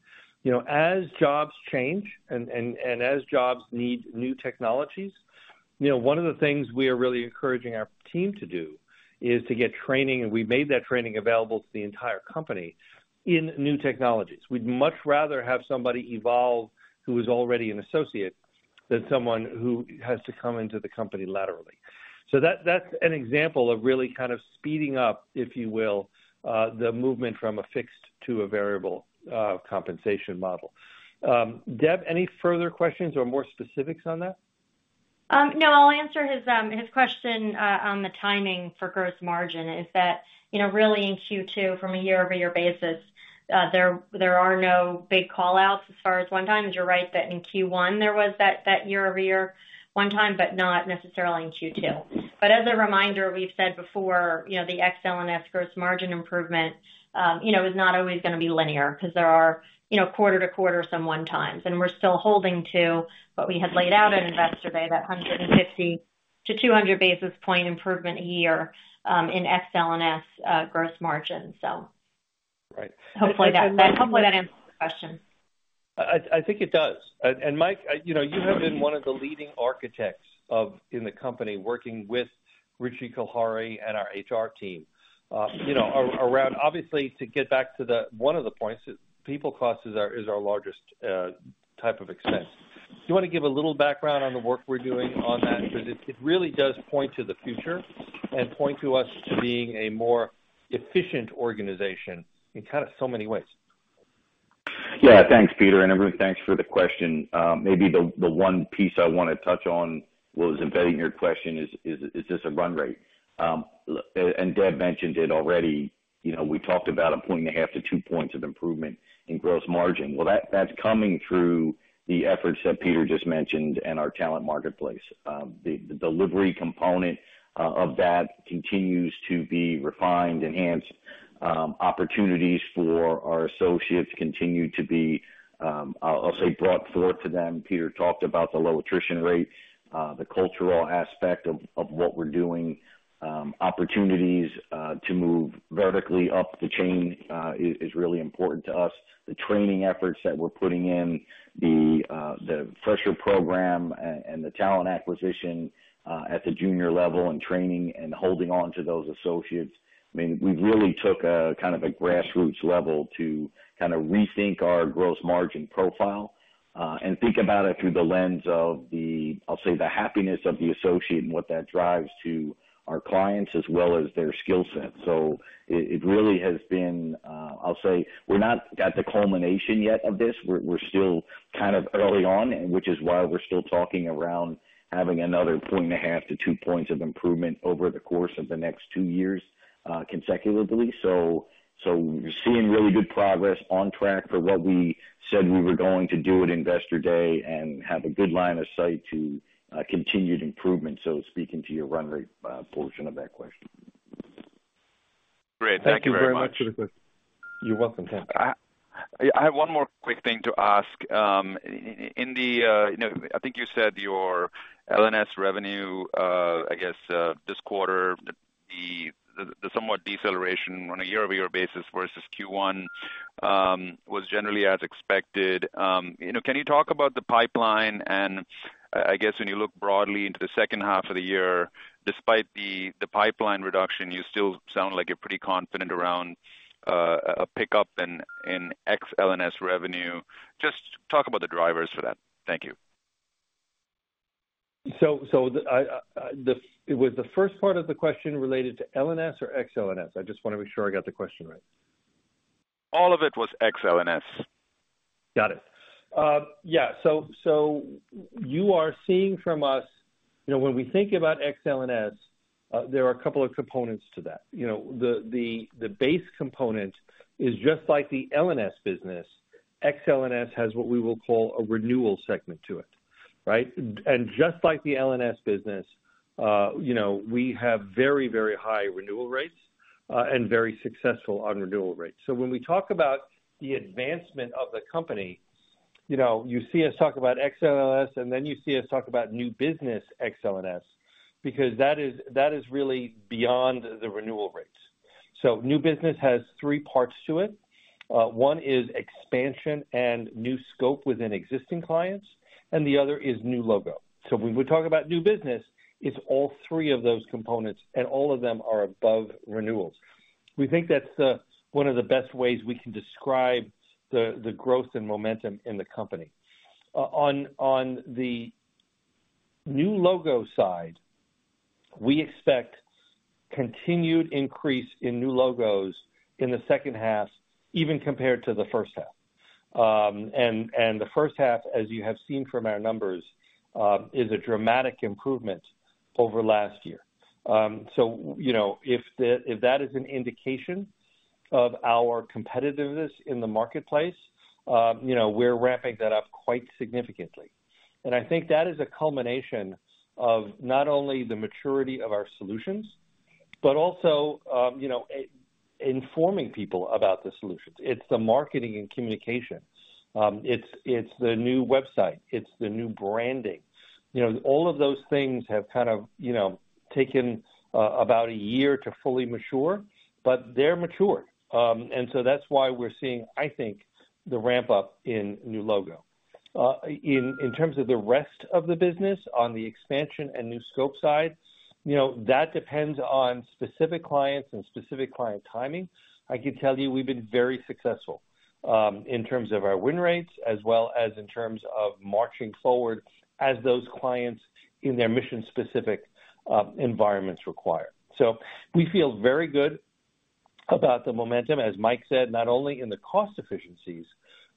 As jobs change and as jobs need new technologies, one of the things we are really encouraging our team to do is to get training. We've made that training available to the entire company in new technologies. We'd much rather have somebody evolve who is already an associate than someone who has to come into the company laterally. So that's an example of really kind of speeding up, if you will, the movement from a fixed to a variable compensation model. Deb, any further questions or more specifics on that? No, I'll answer his question on the timing for gross margin is that really in Q2, from a year-over-year basis, there are no big callouts as far as one-time. You're right that in Q1, there was that year-over-year one-time, but not necessarily in Q2. But as a reminder, we've said before the Ex-L&S gross margin improvement is not always going to be linear because there are quarter-to-quarter some one-times. We're still holding to what we had laid out at Investor Day, that 150-200 basis point improvement a year in Ex-L&S gross margin. So hopefully that answers the question. I think it does. Mike, you have been one of the leading architects in the company working with Rishi Kumar and our HR team around, obviously, to get back to one of the points, people costs is our largest type of expense. Do you want to give a little background on the work we're doing on that? Because it really does point to the future and point to us being a more efficient organization in kind of so many ways. Yeah. Thanks, Peter. Arun, thanks for the question. Maybe the one piece I want to touch on, embedding your question, is this a run rate? Deb mentioned it already. We talked about 1.5-2 points of improvement in gross margin. Well, that's coming through the efforts that Peter just mentioned and our talent marketplace. The delivery component of that continues to be refined, enhanced. Opportunities for our associates continue to be, I'll say, brought forth to them. Peter talked about the low attrition rate, the cultural aspect of what we're doing. Opportunities to move vertically up the chain is really important to us. The training efforts that we're putting in, the fresher program and the talent acquisition at the junior level and training and holding on to those associates. I mean, we really took kind of a grassroots level to kind of rethink our gross margin profile and think about it through the lens of the, I'll say, the happiness of the associate and what that drives to our clients as well as their skill set. So it really has been, I'll say, we're not at the culmination yet of this. We're still kind of early on, which is why we're still talking around having another 1.5 to 2 points of improvement over the course of the next two years consecutively. So we're seeing really good progress on track for what we said we were going to do at Investor Day and have a good line of sight to continued improvement, so speaking to your run rate portion of that question. Great. Thank you very much for the question. You're welcome, thanks. I have one more quick thing to ask. In the, I think you said your L&S revenue, I guess, this quarter, the somewhat deceleration on a year-over-year basis versus Q1 was generally as expected. Can you talk about the pipeline? And I guess when you look broadly into the second half of the year, despite the pipeline reduction, you still sound like you're pretty confident around a pickup in Ex-L&S revenue. Just talk about the drivers for that. Thank you. So was the first part of the question related to L&S or Ex-L&S? I just want to make sure I got the question right. All of it was Ex-L&S. Got it. Yeah. So you are seeing from us, when we think about Ex-L&S, there are a couple of components to that. The base component is just like the L&S business. Ex-L&S has what we will call a renewal segment to it, right? Just like the L&S business, we have very, very high renewal rates and very successful on renewal rates. So when we talk about the advancement of the company, you see us talk about Ex-L&S, and then you see us talk about new business Ex-L&S because that is really beyond the renewal rates. So new business has three parts to it. One is expansion and new scope within existing clients, and the other is new logo. So when we talk about new business, it's all three of those components, and all of them are above renewals. We think that's one of the best ways we can describe the growth and momentum in the company. On the new logo side, we expect continued increase in new logos in the second half, even compared to the first half. The first half, as you have seen from our numbers, is a dramatic improvement over last year. If that is an indication of our competitiveness in the marketplace, we're ramping that up quite significantly. I think that is a culmination of not only the maturity of our solutions, but also informing people about the solutions. It's the marketing and communication. It's the new website. It's the new branding. All of those things have kind of taken about a year to fully mature, but they're matured. So that's why we're seeing, I think, the ramp-up in new logo. In terms of the rest of the business on the expansion and new scope side, that depends on specific clients and specific client timing. I can tell you we've been very successful in terms of our win rates as well as in terms of marching forward as those clients in their mission-specific environments require. So we feel very good about the momentum, as Mike said, not only in the cost efficiencies,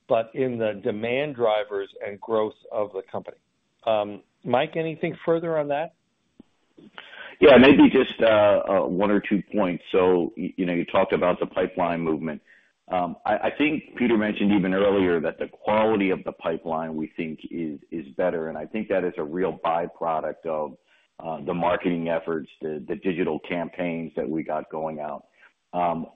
but in the demand drivers and growth of the company. Mike, anything further on that? Yeah, maybe just one or two points. So you talked about the pipeline movement. I think Peter mentioned even earlier that the quality of the pipeline we think is better. And I think that is a real byproduct of the marketing efforts, the digital campaigns that we got going out.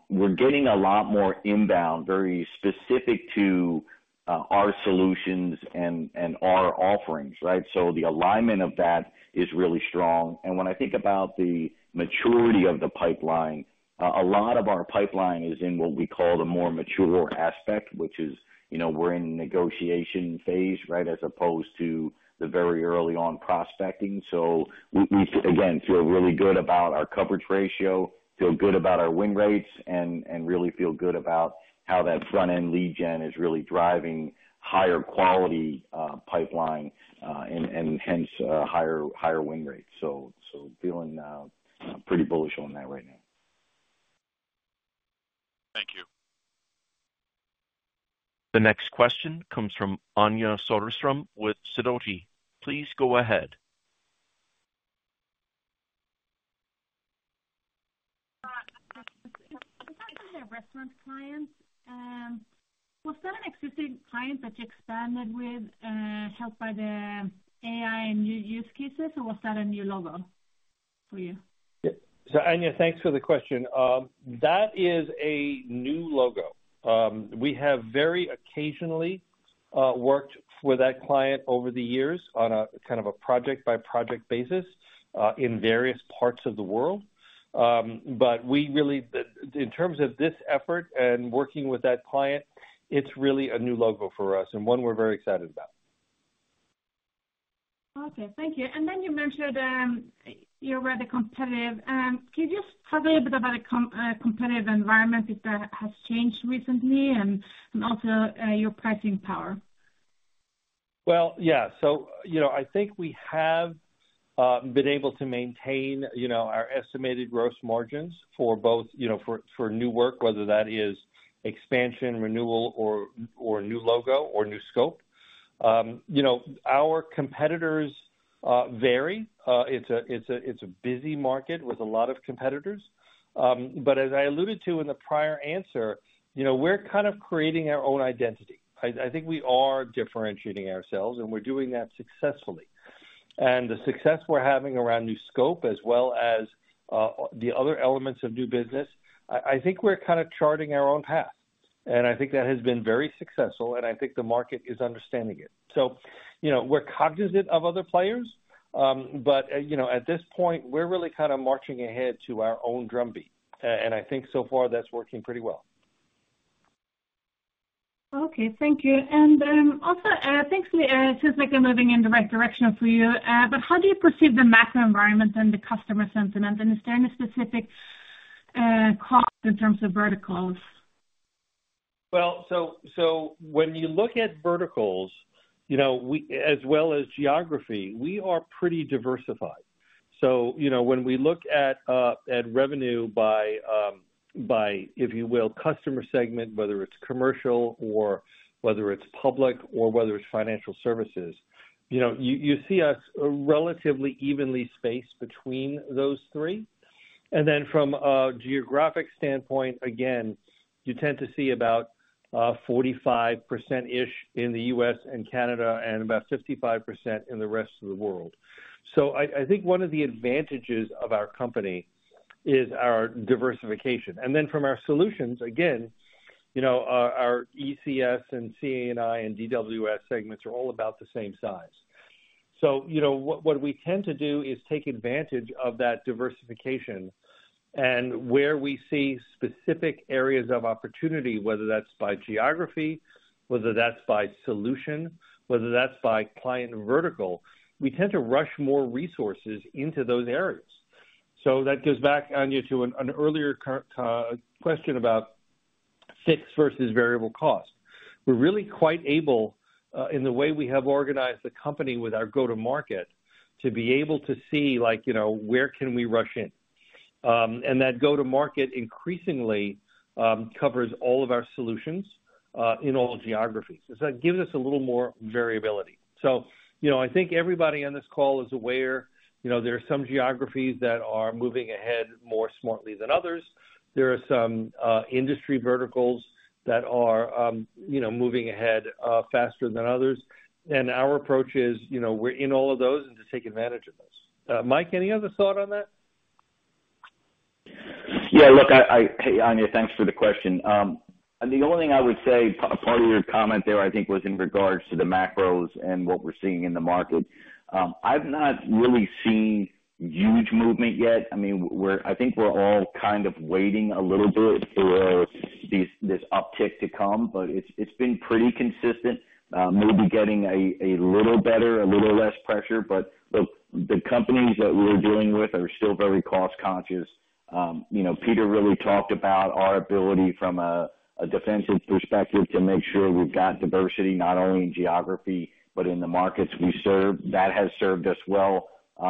We're getting a lot more inbound, very specific to our solutions and our offerings, right? So the alignment of that is really strong. When I think about the maturity of the pipeline, a lot of our pipeline is in what we call the more mature aspect, which is we're in negotiation phase, right, as opposed to the very early on prospecting. So we, again, feel really good about our coverage ratio, feel good about our win rates, and really feel good about how that front-end lead gen is really driving higher quality pipeline and hence higher win rates. So feeling pretty bullish on that right now. Thank you. The next question comes from Anja Soderstrom with Sidoti. Please go ahead. What type of the restaurant clients? Was that an existing client that you expanded with helped by the AI and new use cases? Or was that a new logo for you? So Anja, thanks for the question. That is a new logo. We have very occasionally worked for that client over the years on a kind of a project-by-project basis in various parts of the world. But in terms of this effort and working with that client, it's really a new logo for us and one we're very excited about. Okay. Thank you. And then you mentioned you're rather competitive. Can you just talk a little bit about a competitive environment that has changed recently and also your pricing power? Well, yeah. So I think we have been able to maintain our estimated gross margins for both for new work, whether that is expansion, renewal, or new logo or new scope. Our competitors vary. It's a busy market with a lot of competitors. But as I alluded to in the prior answer, we're kind of creating our own identity. I think we are differentiating ourselves, and we're doing that successfully. And the success we're having around new scope as well as the other elements of new business, I think we're kind of charting our own path. And I think that has been very successful, and I think the market is understanding it. So we're cognizant of other players, but at this point, we're really kind of marching ahead to our own drumbeat. And I think so far that's working pretty well. Okay. Thank you. And also, it seems like I'm moving in the right direction for you. But how do you perceive the macro environment and the customer sentiment? And is there any specific focus in terms of verticals? Well, so when you look at verticals, as well as geography, we are pretty diversified. So when we look at revenue by, if you will, customer segment, whether it's commercial or whether it's public or whether it's financial services, you see us relatively evenly spaced between those three. And then from a geographic standpoint, again, you tend to see about 45%-ish in the U.S. and Canada and about 55% in the rest of the world. So I think one of the advantages of our company is our diversification. And then from our solutions, again, our ECS and CA&I and DWS segments are all about the same size. So what we tend to do is take advantage of that diversification and where we see specific areas of opportunity, whether that's by geography, whether that's by solution, whether that's by client vertical, we tend to rush more resources into those areas. So that goes back, Anja, to an earlier question about fixed versus variable cost. We're really quite able, in the way we have organized the company with our go-to-market, to be able to see where we can rush in. And that go-to-market increasingly covers all of our solutions in all geographies. So that gives us a little more variability. So I think everybody on this call is aware. There are some geographies that are moving ahead more smartly than others. There are some industry verticals that are moving ahead faster than others. And our approach is we're in all of those and to take advantage of those. Mike, any other thought on that? Yeah. Look, Anja, thanks for the question. The only thing I would say, part of your comment there, I think, was in regards to the macros and what we're seeing in the market. I've not really seen huge movement yet. I mean, I think we're all kind of waiting a little bit for this uptick to come, but it's been pretty consistent, maybe getting a little better, a little less pressure. But look, the companies that we're dealing with are still very cost-conscious. Peter really talked about our ability from a defensive perspective to make sure we've got diversity not only in geography, but in the markets we serve. That has served us well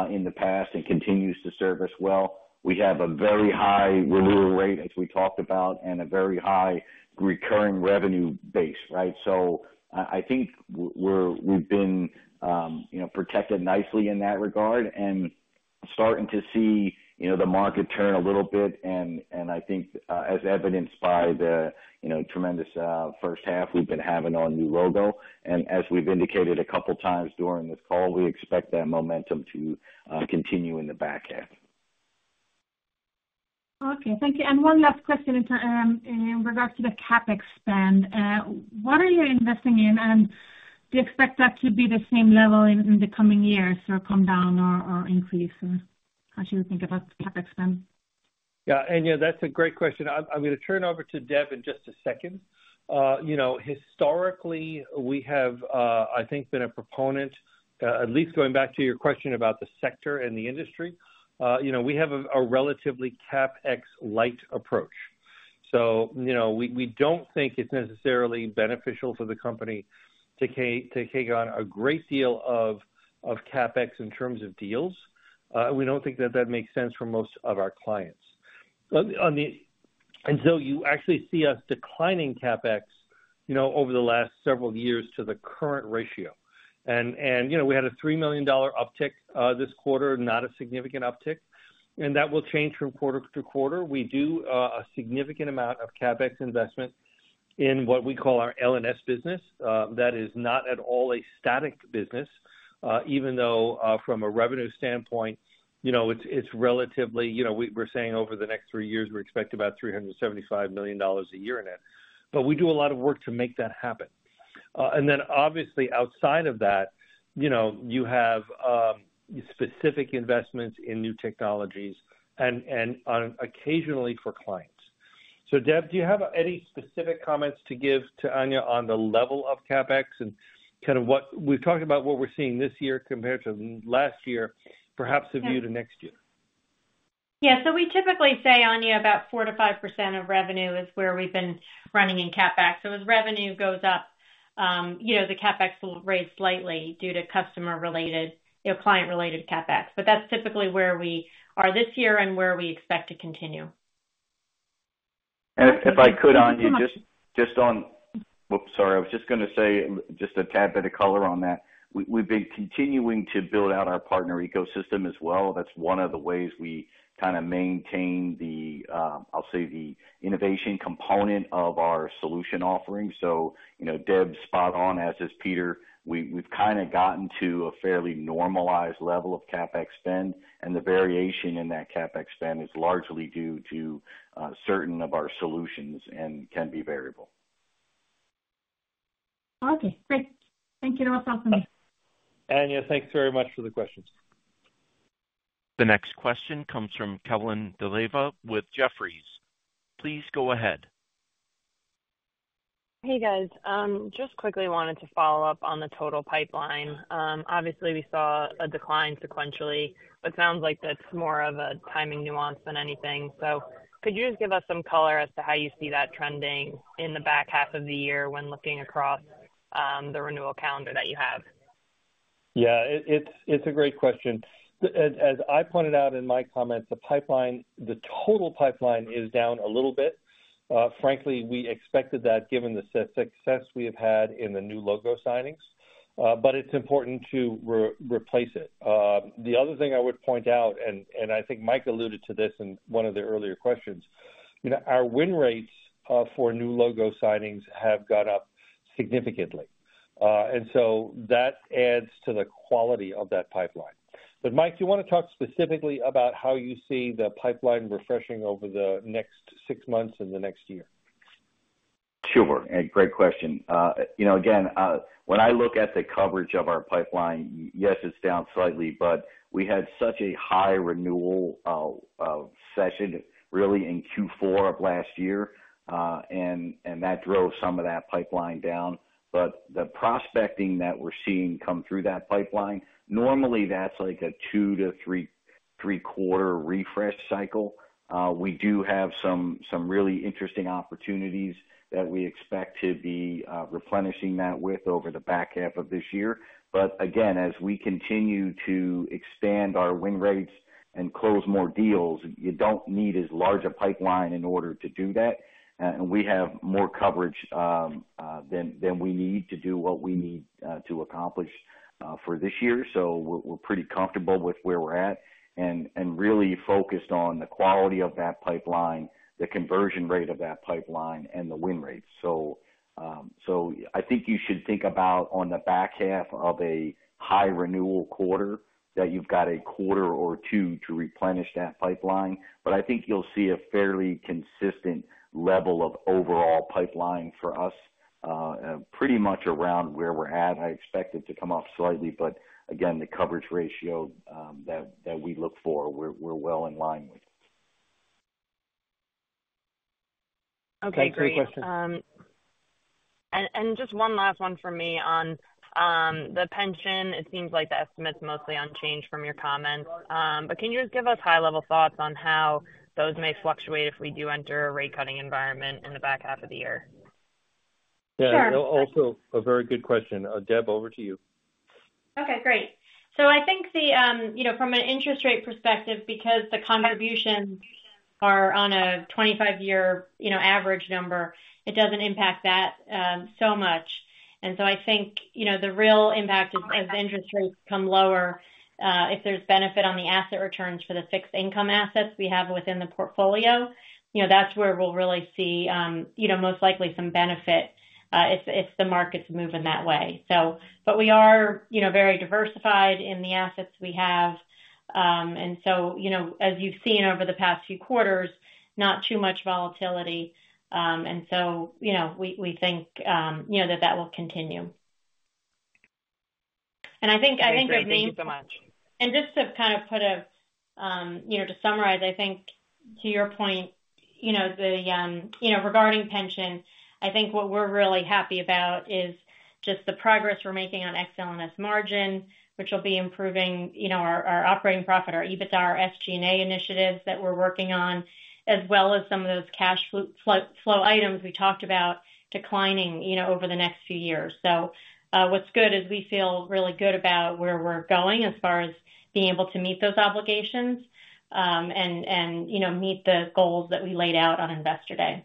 in the past and continues to serve us well. We have a very high renewal rate, as we talked about, and a very high recurring revenue base, right? So I think we've been protected nicely in that regard and starting to see the market turn a little bit. And I think, as evidenced by the tremendous first half we've been having on new logo. As we've indicated a couple of times during this call, we expect that momentum to continue in the back half. Okay. Thank you. One last question in regards to the CapEx spend. What are you investing in? And do you expect that to be the same level in the coming years or come down or increase? How should we think about CapEx spend? Yeah. Anja, that's a great question. I'm going to turn over to Deb in just a second. Historically, we have, I think, been a proponent, at least going back to your question about the sector and the industry, we have a relatively CapEx-light approach. So we don't think it's necessarily beneficial for the company to take on a great deal of CapEx in terms of deals. We don't think that that makes sense for most of our clients. You actually see us declining CapEx over the last several years to the current ratio. We had a $3 million uptick this quarter, not a significant uptick. That will change from quarter to quarter. We do a significant amount of CapEx investment in what we call our L&S business. That is not at all a static business, even though from a revenue standpoint, it's relatively, we're saying over the next three years, we expect about $375 million a year in it. But we do a lot of work to make that happen. Obviously, outside of that, you have specific investments in new technologies and occasionally for clients. So, Deb, do you have any specific comments to give to Anja on the level of CapEx and kind of what we've talked about, what we're seeing this year compared to last year, perhaps a view to next year? Yeah. So we typically say, Anja, about 4%-5% of revenue is where we've been running in CapEx. So as revenue goes up, the CapEx will rise slightly due to customer-related, client-related CapEx. But that's typically where we are this year and where we expect to continue. If I could, Anja, just on—whoops, sorry. I was just going to say just a tad bit of color on that. We've been continuing to build out our partner ecosystem as well. That's one of the ways we kind of maintain, I'll say, the innovation component of our solution offering. So, Deb, spot on, as is Peter. We've kind of gotten to a fairly normalized level of CapEx spend. The variation in that CapEx spend is largely due to certain of our solutions and can be variable. Okay. Great. That's all from me. Anja, thanks very much for the questions. The next question comes from Kevin DeLeva with Jefferies. Please go ahead. Hey, guys. Just quickly wanted to follow up on the total pipeline. Obviously, we saw a decline sequentially, but it sounds like that's more of a timing nuance than anything. So could you just give us some color as to how you see that trending in the back half of the year when looking across the renewal calendar that you have? Yeah. It's a great question. As I pointed out in my comments, the total pipeline is down a little bit. Frankly, we expected that given the success we have had in the new logo signings, but it's important to replace it. The other thing I would point out, and I think Mike alluded to this in one of the earlier questions, our win rates for new logo signings have gone up significantly. And so that adds to the quality of that pipeline. But Mike, do you want to talk specifically about how you see the pipeline refreshing over the next six months and the next year? Sure. Great question. Again, when I look at the coverage of our pipeline, yes, it's down slightly, but we had such a high renewal session really in Q4 of last year, and that drove some of that pipeline down. But the prospecting that we're seeing come through that pipeline, normally that's like a 2- to 3-quarter refresh cycle. We do have some really interesting opportunities that we expect to be replenishing that with over the back half of this year. But again, as we continue to expand our win rates and close more deals, you don't need as large a pipeline in order to do that. And we have more coverage than we need to do what we need to accomplish for this year. So we're pretty comfortable with where we're at and really focused on the quality of that pipeline, the conversion rate of that pipeline, and the win rates. So I think you should think about on the back half of a high renewal quarter that you've got a quarter or two to replenish that pipeline. But I think you'll see a fairly consistent level of overall pipeline for us pretty much around where we're at. I expect it to come up slightly, but again, the coverage ratio that we look for, we're well in line with. Okay. Great. And just one last one for me on the pension. It seems like the estimate's mostly unchanged from your comments. But can you just give us high-level thoughts on how those may fluctuate if we do enter a rate-cutting environment in the back half of the year? Yeah. Also, a very good question. Deb, over to you. Okay. Great. So I think from an interest rate perspective, because the contributions are on a 25-year average number, it doesn't impact that so much. And so I think the real impact is as interest rates come lower, if there's benefit on the asset returns for the fixed income assets we have within the portfolio, that's where we'll really see most likely some benefit if the market's moving that way. But we are very diversified in the assets we have. And so, as you've seen over the past few quarters, not too much volatility. And so we think that that will continue. And I think that remains. Thank you so much. And just to kind of to summarize, I think to your point, regarding pension, I think what we're really happy about is just the progress we're making on excellent margin, which will be improving our operating profit, our EBITDA, our SG&A initiatives that we're working on, as well as some of those cash flow items we talked about declining over the next few years. So what's good is we feel really good about where we're going as far as being able to meet those obligations and meet the goals that we laid out on Investor Day.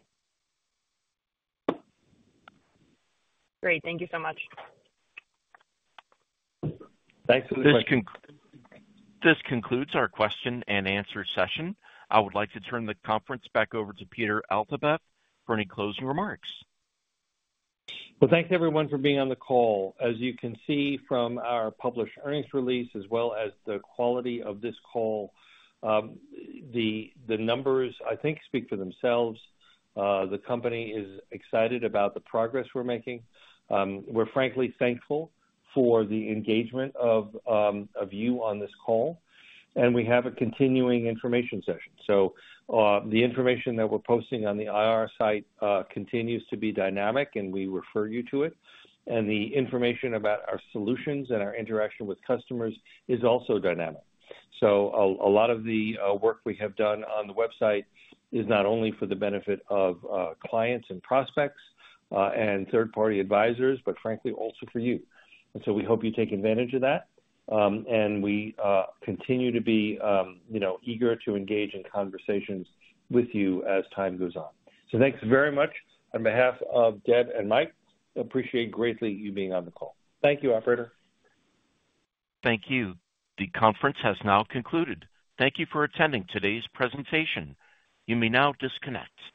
Great. Thank you so much. Thanks for the question. This concludes our question and answer session. I would like to turn the conference back over to Peter Altabef for any closing remarks. Well, thanks, everyone, for being on the call. As you can see from our published earnings release, as well as the quality of this call, the numbers, I think, speak for themselves. The company is excited about the progress we're making. We're frankly thankful for the engagement of you on this call. We have a continuing information session. The information that we're posting on the IR site continues to be dynamic, and we refer you to it. The information about our solutions and our interaction with customers is also dynamic. A lot of the work we have done on the website is not only for the benefit of clients and prospects and third-party advisors, but frankly, also for you. We hope you take advantage of that. We continue to be eager to engage in conversations with you as time goes on. Thanks very much on behalf of Deb and Mike. Appreciate greatly you being on the call. Thank you, operator. Thank you. The conference has now concluded. Thank you for attending today's presentation. You may now disconnect.